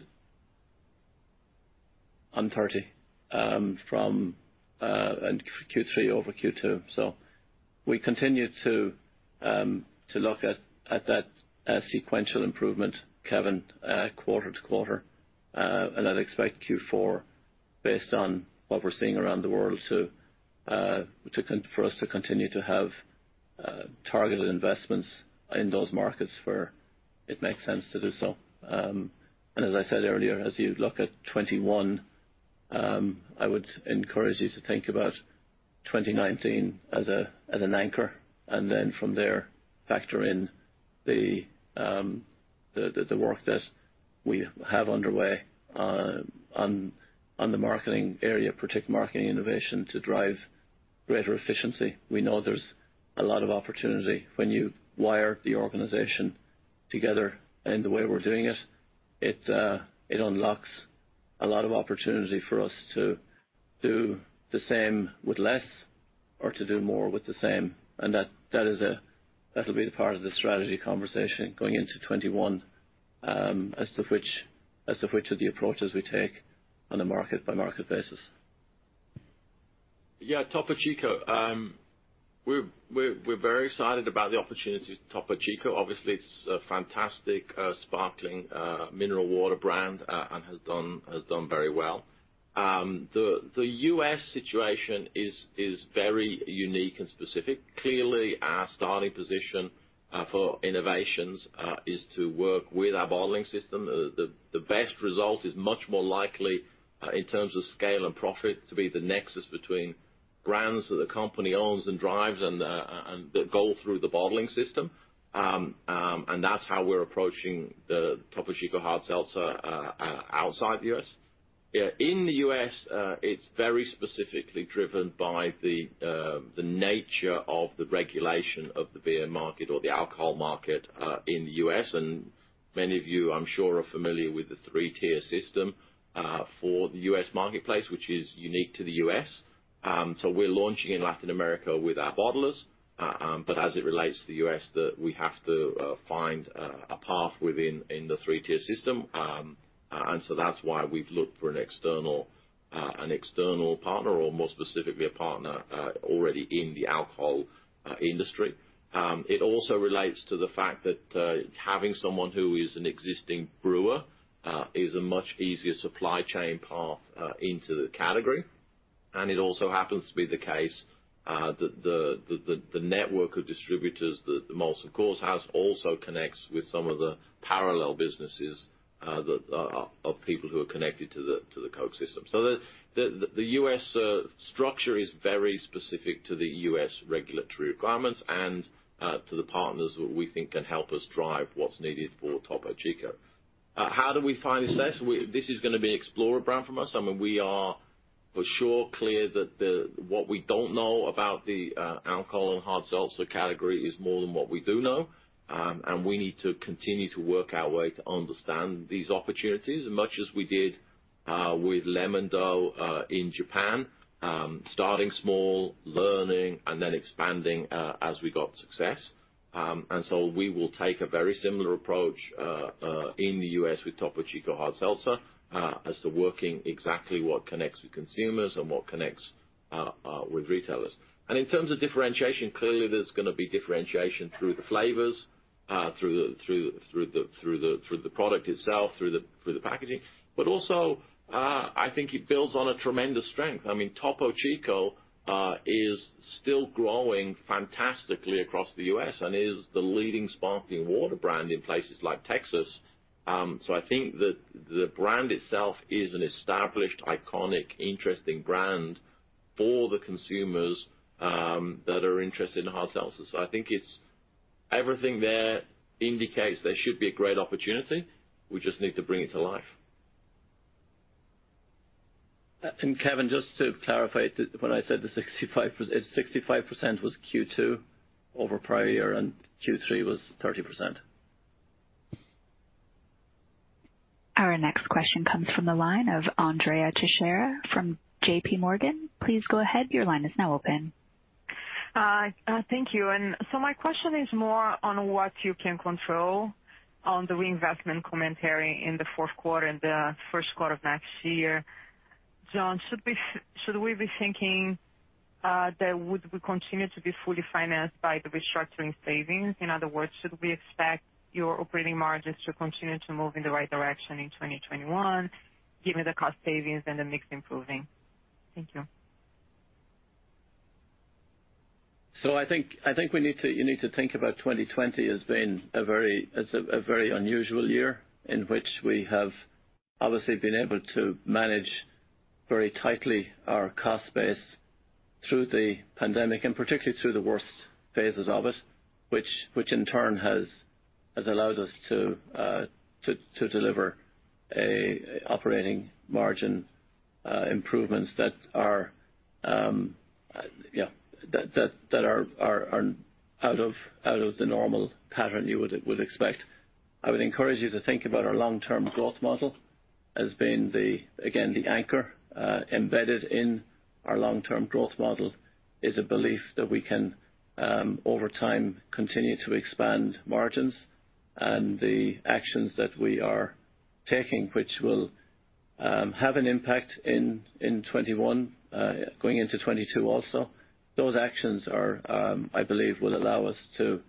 D: on 30% from Q3 over Q2. We continue to look at that sequential improvement, Kevin, quarter-to-quarter, and I'd expect Q4-based on what we're seeing around the world for us to continue to have targeted investments in those markets where it makes sense to do so. As I said earlier, as you look at 2021, I would encourage you to think about 2019 as an anchor, then from there factor in the work that we have underway on the marketing area, particularly marketing innovation to drive greater efficiency. We know there's a lot of opportunity when you wire the organization together in the way we're doing it. It unlocks a lot of opportunity for us to do the same with less or to do more with the same. That'll be the part of the strategy conversation going into 2021, as to which of the approaches we take on a market-by-market basis.
C: Yeah, Topo Chico. We're very excited about the opportunity with Topo Chico. Obviously, it's a fantastic sparkling mineral water brand, and has done very well. The U.S. situation is very unique and specific. Clearly, our starting position for innovations is to work with our bottling system. The best result is much more likely, in terms of scale and profit, to be the nexus between brands that the company owns and drives and that go through the bottling system. That's how we're approaching the Topo Chico Hard Seltzer outside the U.S. In the U.S., it's very specifically driven by the nature of the regulation of the beer market or the alcohol market in the U.S., and many of you, I'm sure, are familiar with the three-tier system for the U.S. marketplace, which is unique to the U.S. We're launching in Latin America with our bottlers. As it relates to the U.S., we have to find a path within the three-tier system. That's why we've looked for an external partner, or more specifically, a partner already in the alcohol industry. It also relates to the fact that having someone who is an existing brewer is a much easier supply chain path into the category. It also happens to be the case that the network of distributors that Molson Coors has also connects with some of the parallel businesses of people who are connected to the Coke system. The U.S. structure is very specific to the U.S. regulatory requirements and to the partners who we think can help us drive what's needed for Topo Chico. How do we find success? This is going to be explorer brand from us. We are for sure clear that what we don't know about the alcohol and hard seltzer category is more than what we do know. We need to continue to work our way to understand these opportunities, much as we did with Lemon-Dou in Japan. Starting small, learning, and then expanding as we got success. We will take a very similar approach in the U.S. with Topo Chico Hard Seltzer as to working exactly what connects with consumers and what connects with retailers. In terms of differentiation, clearly, there's going to be differentiation through the flavors, through the product itself, through the packaging. Also, I think it builds on a tremendous strength. Topo Chico is still growing fantastically across the U.S. and is the leading sparkling water brand in places like Texas. I think that the brand itself is an established, iconic, interesting brand for the consumers that are interested in hard seltzers. I think it's everything there indicates there should be a great opportunity. We just need to bring it to life.
D: Kevin, just to clarify, when I said the 65%, it's 65% was Q2 over prior year, and Q3 was 30%.
A: Our next question comes from the line of Andrea Teixeira from JPMorgan. Please go ahead.
L: Thank you. My question is more on what you can control on the reinvestment commentary in the fourth quarter and the first quarter of next year. John, should we be thinking that would we continue to be fully financed by the restructuring savings? In other words, should we expect your operating margins to continue to move in the right direction in 2021 given the cost savings and the mix improving? Thank you.
D: I think you need to think about 2020 as being a very unusual year in which we have obviously been able to manage very tightly our cost base through the pandemic, and particularly through the worst phases of it, which in turn has allowed us to deliver operating margin improvements that are out of the normal pattern you would expect. I would encourage you to think about our long-term growth model as being, again, the anchor. Embedded in our long-term growth model is a belief that we can, over time, continue to expand margins and the actions that we are taking, which will have an impact in 2021, going into 2022 also. Those actions, I believe, will allow us to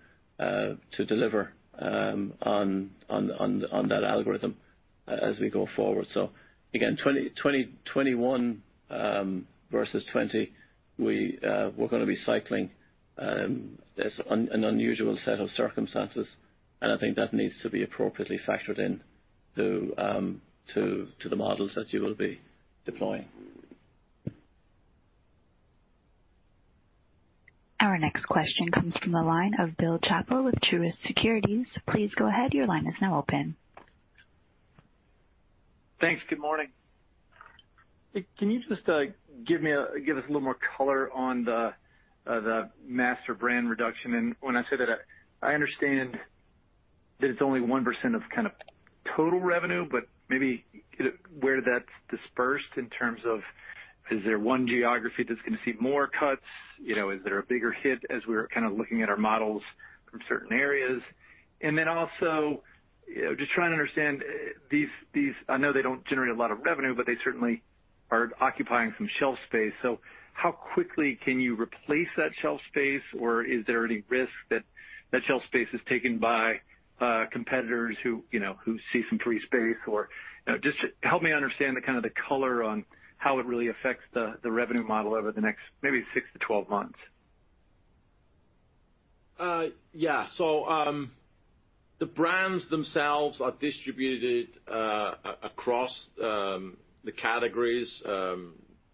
D: deliver on that algorithm. As we go forward. Again, 2021 versus 2020, we're going to be cycling an unusual set of circumstances, and I think that needs to be appropriately factored in to the models that you will be deploying.
A: Our next question comes from the line of Bill Chappell with Truist Securities. Please go ahead.
M: Thanks. Good morning. Can you just give us a little more color on the master brand reduction? When I say that, I understand that it's only 1% of total revenue, but maybe where that's dispersed in terms of, is there one geography that's going to see more cuts? Is there a bigger hit as we're kind of looking at our models from certain areas? Also, just trying to understand, I know they don't generate a lot of revenue, but they certainly are occupying some shelf space. How quickly can you replace that shelf space, or is there any risk that that shelf space is taken by competitors who see some free space or Just help me understand the color on how it really affects the revenue model over the next maybe 6 to 12 months.
C: Yeah. The brands themselves are distributed across the categories,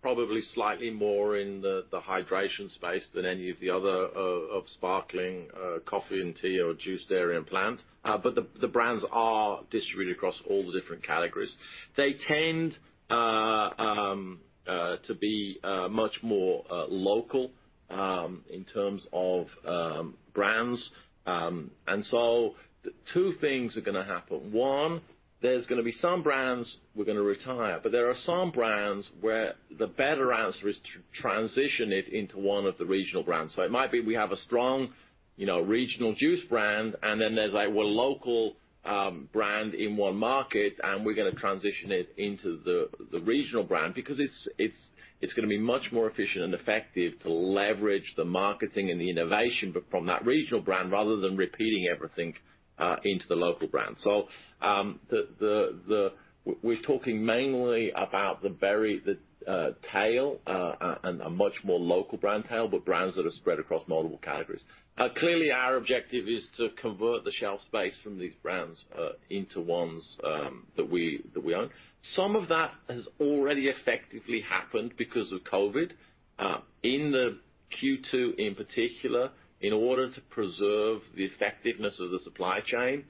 C: probably slightly more in the hydration space than any of the other of sparkling, coffee and tea or juice, dairy, and plant. The brands are distributed across all the different categories. They tend to be much more local, in terms of brands. Two things are going to happen. One, there's going to be some brands we're going to retire. There are some brands where the better answer is to transition it into one of the regional brands. It might be we have a strong regional juice brand, and then there's a local brand in one market, and we're going to transition it into the regional brand because it's going to be much more efficient and effective to leverage the marketing and the innovation from that regional brand rather than repeating everything into the local brand. We're talking mainly about the tail, and a much more local brand tail, but brands that are spread across multiple categories. Clearly, our objective is to convert the shelf space from these brands into ones that we own. Some of that has already effectively happened because of COVID. In Q2 in particular, in order to preserve the effectiveness of the supply chain,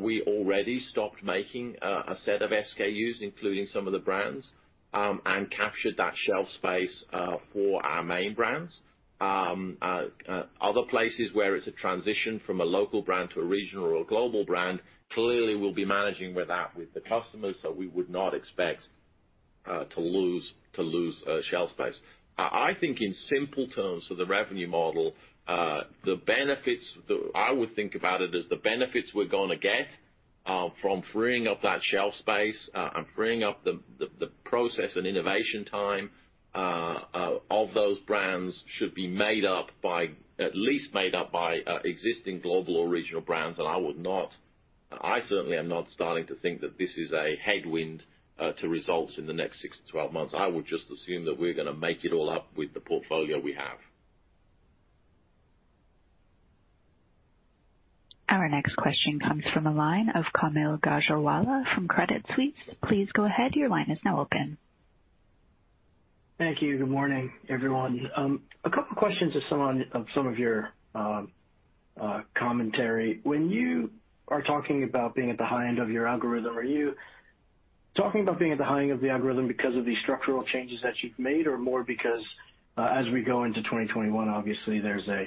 C: we already stopped making a set of SKUs, including some of the brands, and captured that shelf space for our main brands. Other places where it's a transition from a local brand to a regional or global brand, clearly, we'll be managing with that with the customers, so we would not expect to lose shelf space. I think in simple terms for the revenue model, I would think about it as the benefits we're going to get from freeing up that shelf space and freeing up the process and innovation time of those brands should be at least made up by existing global or regional brands. I certainly am not starting to think that this is a headwind to results in the next 6 to 12 months. I would just assume that we're going to make it all up with the portfolio we have.
A: Our next question comes from the line of Kaumil Gajrawala from Credit Suisse. Please go ahead. Your line is now open.
N: Thank you. Good morning, everyone. A couple questions of some of your commentary. When you are talking about being at the high end of your algorithm, are you talking about being at the high end of the algorithm because of the structural changes that you've made or more because as we go into 2021, obviously, there's a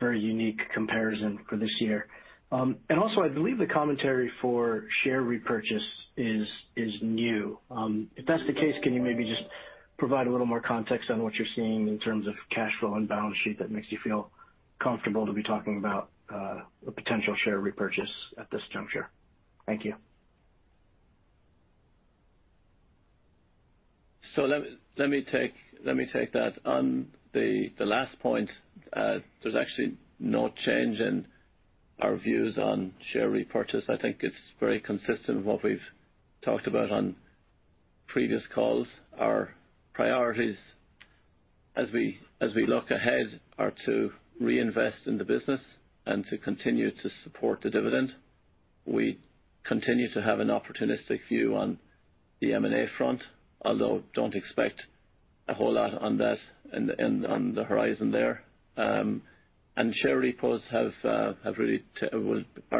N: very unique comparison for this year? Also, I believe the commentary for share repurchase is new. If that's the case, can you maybe just provide a little more context on what you're seeing in terms of cash flow and balance sheet that makes you feel comfortable to be talking about a potential share repurchase at this juncture? Thank you.
D: Let me take that. On the last point, there's actually no change in our views on share repurchase. I think it's very consistent with what we've talked about on previous calls. Our priorities as we look ahead are to reinvest in the business and to continue to support the dividend. We continue to have an opportunistic view on the M&A front, although don't expect a whole lot on that and on the horizon there. Share repos are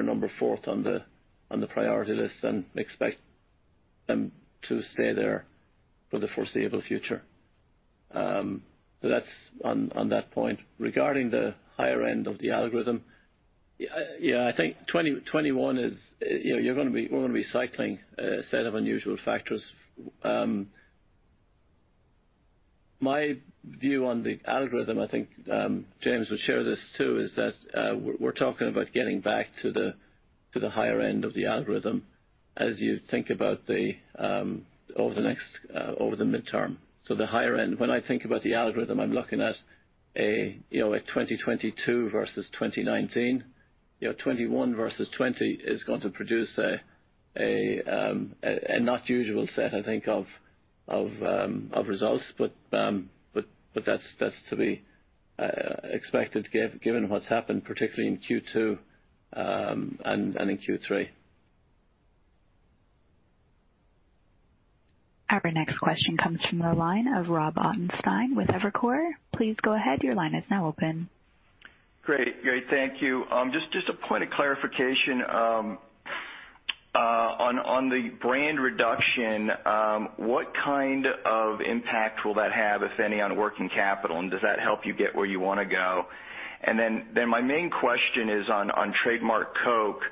D: number fourth on the priority list and expect them to stay there for the foreseeable future. That's on that point. Regarding the higher end of the algorithm, yeah, I think 2021 is we're going to be cycling a set of unusual factors. My view on the algorithm, I think James would share this too, is that we're talking about getting back to the higher end of the algorithm as you think about over the midterm. The higher end, when I think about the algorithm, I'm looking at a 2022 versus 2019. 2021 versus 2020 is going to produce a not usual set, I think, of results, but that's to be expected given what's happened, particularly in Q2 and in Q3.
A: Our next question comes from the line of Rob Ottenstein with Evercore. Please go ahead.
O: Great. Thank you. Just a point of clarification. On the brand reduction, what kind of impact will that have, if any, on working capital, and does that help you get where you want to go? My main question is on trademark Coke,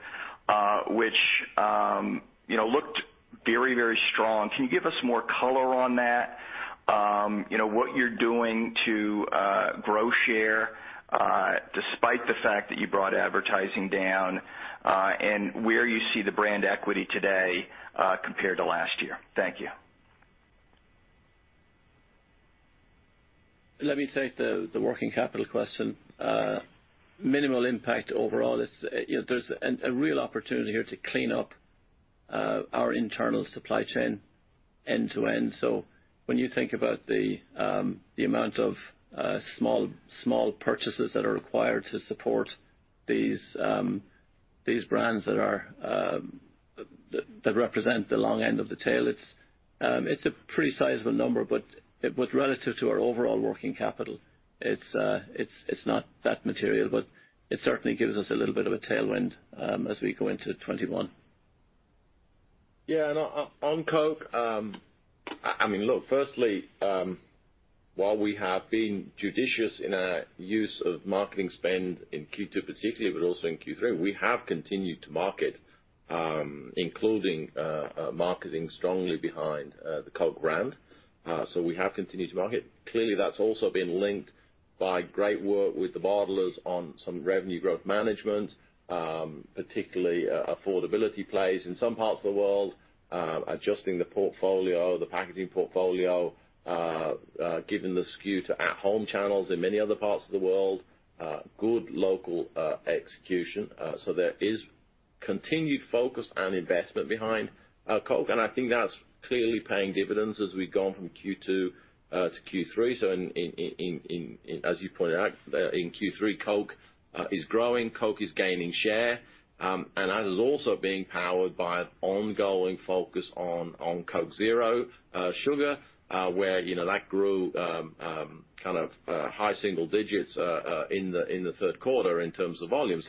O: which looked very strong. Can you give us more color on that? What you're doing to grow share, despite the fact that you brought advertising down, and where you see the brand equity today, compared to last year. Thank you.
D: Let me take the working capital question. Minimal impact overall. There's a real opportunity here to clean up our internal supply chain end to end. When you think about the amount of small purchases that are required to support these brands that represent the long end of the tail, it's a pretty sizable number. Relative to our overall working capital, it's not that material, but it certainly gives us a little bit of a tailwind as we go into 2021.
C: Yeah. On Coke, firstly, while we have been judicious in our use of marketing spend in Q2 particularly, but also in Q3, we have continued to market, including marketing strongly behind the Coke brand. We have continued to market. Clearly, that's also been linked by great work with the bottlers on some revenue growth management, particularly affordability plays in some parts of the world, adjusting the portfolio, the packaging portfolio, giving the SKU to at-home channels in many other parts of the world. Good local execution. There is continued focus and investment behind Coke, and I think that's clearly paying dividends as we've gone from Q2 to Q3. As you pointed out, in Q3, Coke is growing, Coke is gaining share. That is also being powered by an ongoing focus on Coke Zero Sugar, where that grew high single digits in the third quarter in terms of volume.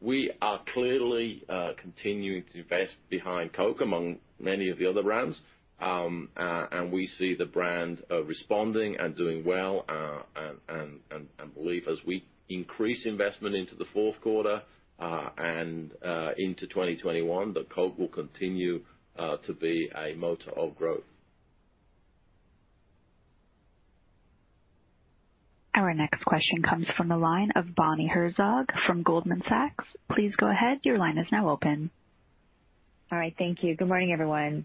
C: We are clearly continuing to invest behind Coke, among many of the other brands. We see the brand responding and doing well, and believe as we increase investment into the fourth quarter, and into 2021, that Coke will continue to be a motor of growth.
A: Our next question comes from the line of Bonnie Herzog from Goldman Sachs. Please go ahead. Your line is now open.
P: All right. Thank you. Good morning, everyone.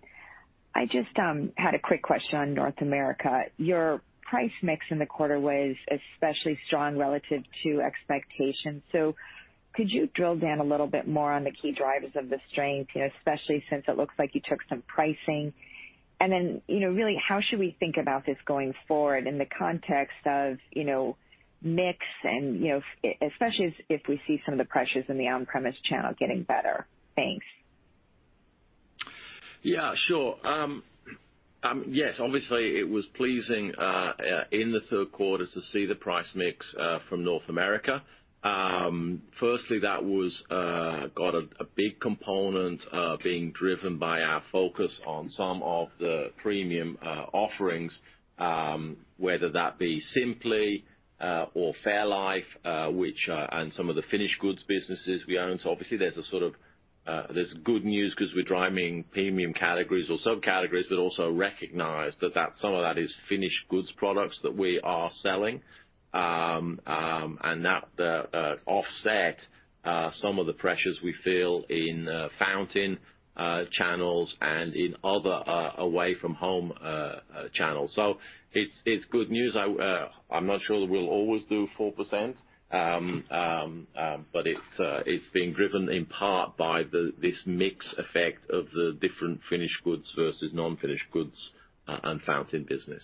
P: I just had a quick question on North America. Your price mix in the quarter was especially strong relative to expectations. Could you drill down a little bit more on the key drivers of the strength, especially since it looks like you took some pricing. Then, really, how should we think about this going forward in the context of mix and especially if we see some of the pressures in the on-premise channel getting better? Thanks.
C: Yeah, sure. Yes, obviously it was pleasing in the third quarter to see the price mix from North America. Firstly, that got a big component being driven by our focus on some of the premium offerings, whether that be Simply or fairlife, and some of the finished goods businesses we own. Obviously there's good news because we're driving premium categories or sub-categories, but also recognize that some of that is finished goods products that we are selling, and that offset some of the pressures we feel in fountain channels and in other away from home channels. It's good news. I'm not sure that we'll always do 4%, but it's being driven in part by this mix effect of the different finished goods versus non-finished goods and fountain business.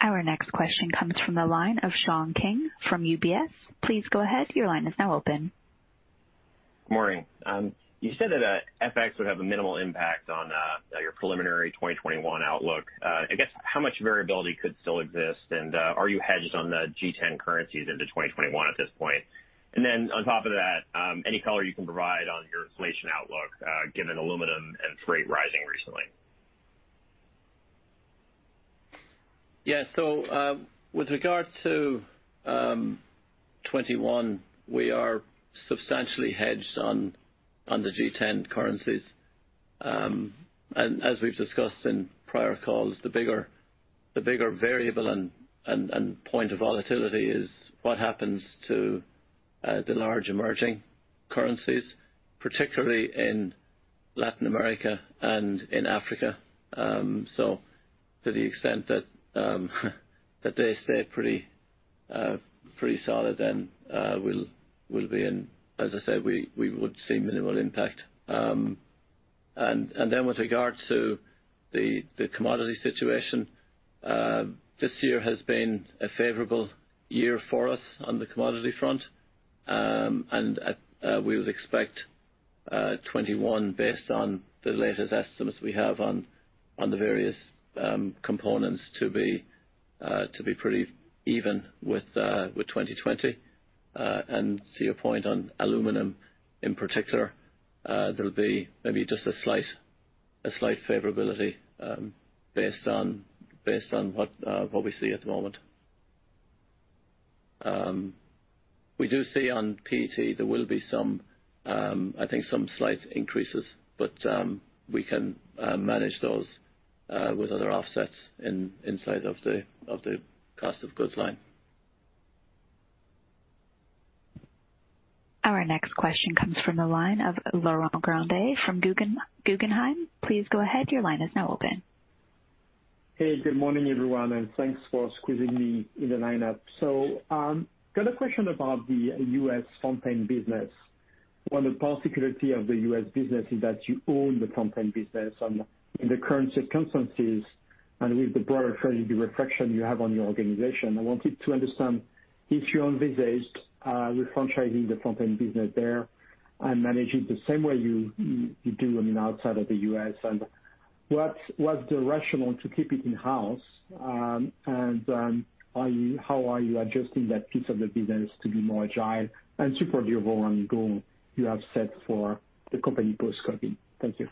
A: Our next question comes from the line of Sean King from UBS. Please go ahead.
Q: Morning. You said that FX would have a minimal impact on your preliminary 2021 outlook. I guess how much variability could still exist, and are you hedged on the G10 currencies into 2021 at this point? Then on top of that, any color you can provide on your inflation outlook, given aluminum and freight rising recently?
D: Yeah. With regards to 2021, we are substantially hedged on the G10 currencies. As we've discussed in prior calls, the bigger variable and point of volatility is what happens to the large emerging currencies, particularly in Latin America and in Africa. To the extent that they stay pretty solid, as I said, we would see minimal impact. With regard to the commodity situation, this year has been a favorable year for us on the commodity front. We would expect 2021, based on the latest estimates we have on the various components to be pretty even with 2020. To your point on aluminum in particular, there'll be maybe just a slight favorability based on what we see at the moment. We do see on PET, there will be some, I think, some slight increases. We can manage those with other offsets inside of the cost of goods line.
A: Our next question comes from the line of Laurent Grandet from Guggenheim. Please go ahead. Your line is now open.
R: Good morning, everyone, thanks for squeezing me in the lineup. Got a question about the U.S. fountain business. One of the particularity of the U.S. business is that you own the fountain business. In the current circumstances and with the broader strategy reflection you have on your organization, I wanted to understand if you envisage refranchising the fountain business there and manage it the same way you do on the outside of the U.S. What's the rationale to keep it in-house, and how are you adjusting that piece of the business to be more agile and support your overall goal you have set for the company post-COVID? Thank you.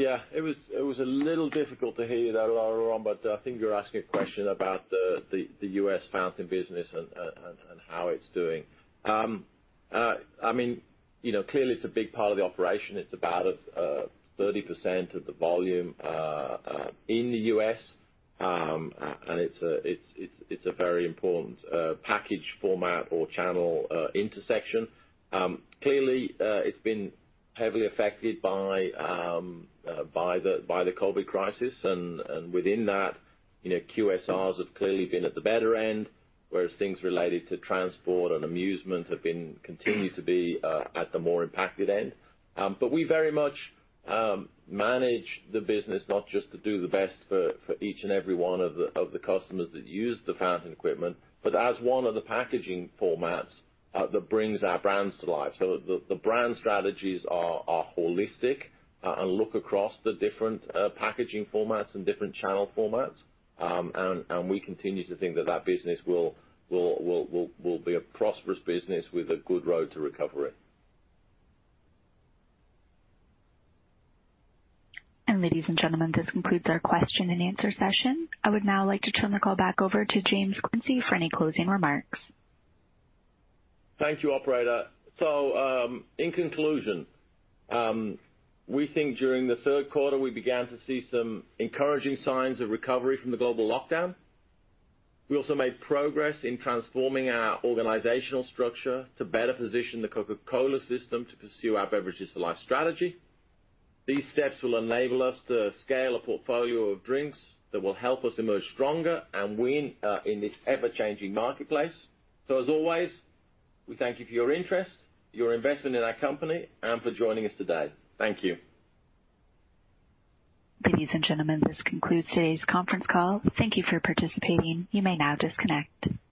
C: Yeah. It was a little difficult to hear you there, Laurent. I think you're asking a question about the U.S. fountain business and how it's doing. Clearly, it's a big part of the operation. It's about 30% of the volume in the U.S., it's a very important package format or channel intersection. Clearly, it's been heavily affected by the COVID crisis. Within that, QSRs have clearly been at the better end, whereas things related to transport and amusement continue to be at the more impacted end. We very much manage the business not just to do the best for each and every one of the customers that use the fountain equipment, but as one of the packaging formats that brings our brands to life. The brand strategies are holistic and look across the different packaging formats and different channel formats. We continue to think that that business will be a prosperous business with a good road to recovery.
A: Ladies and gentlemen, this concludes our question and answer session. I would now like to turn the call back over to James Quincey for any closing remarks.
C: Thank you, operator. In conclusion, we think during the third quarter, we began to see some encouraging signs of recovery from the global lockdown. We also made progress in transforming our organizational structure to better position The Coca-Cola Company system to pursue our Beverages for Life strategy. These steps will enable us to scale a portfolio of drinks that will help us emerge stronger and win in this ever-changing marketplace. As always, we thank you for your interest, your investment in our company, and for joining us today. Thank you.
A: Ladies and gentlemen, this concludes today's conference call. Thank you for participating. You may now disconnect.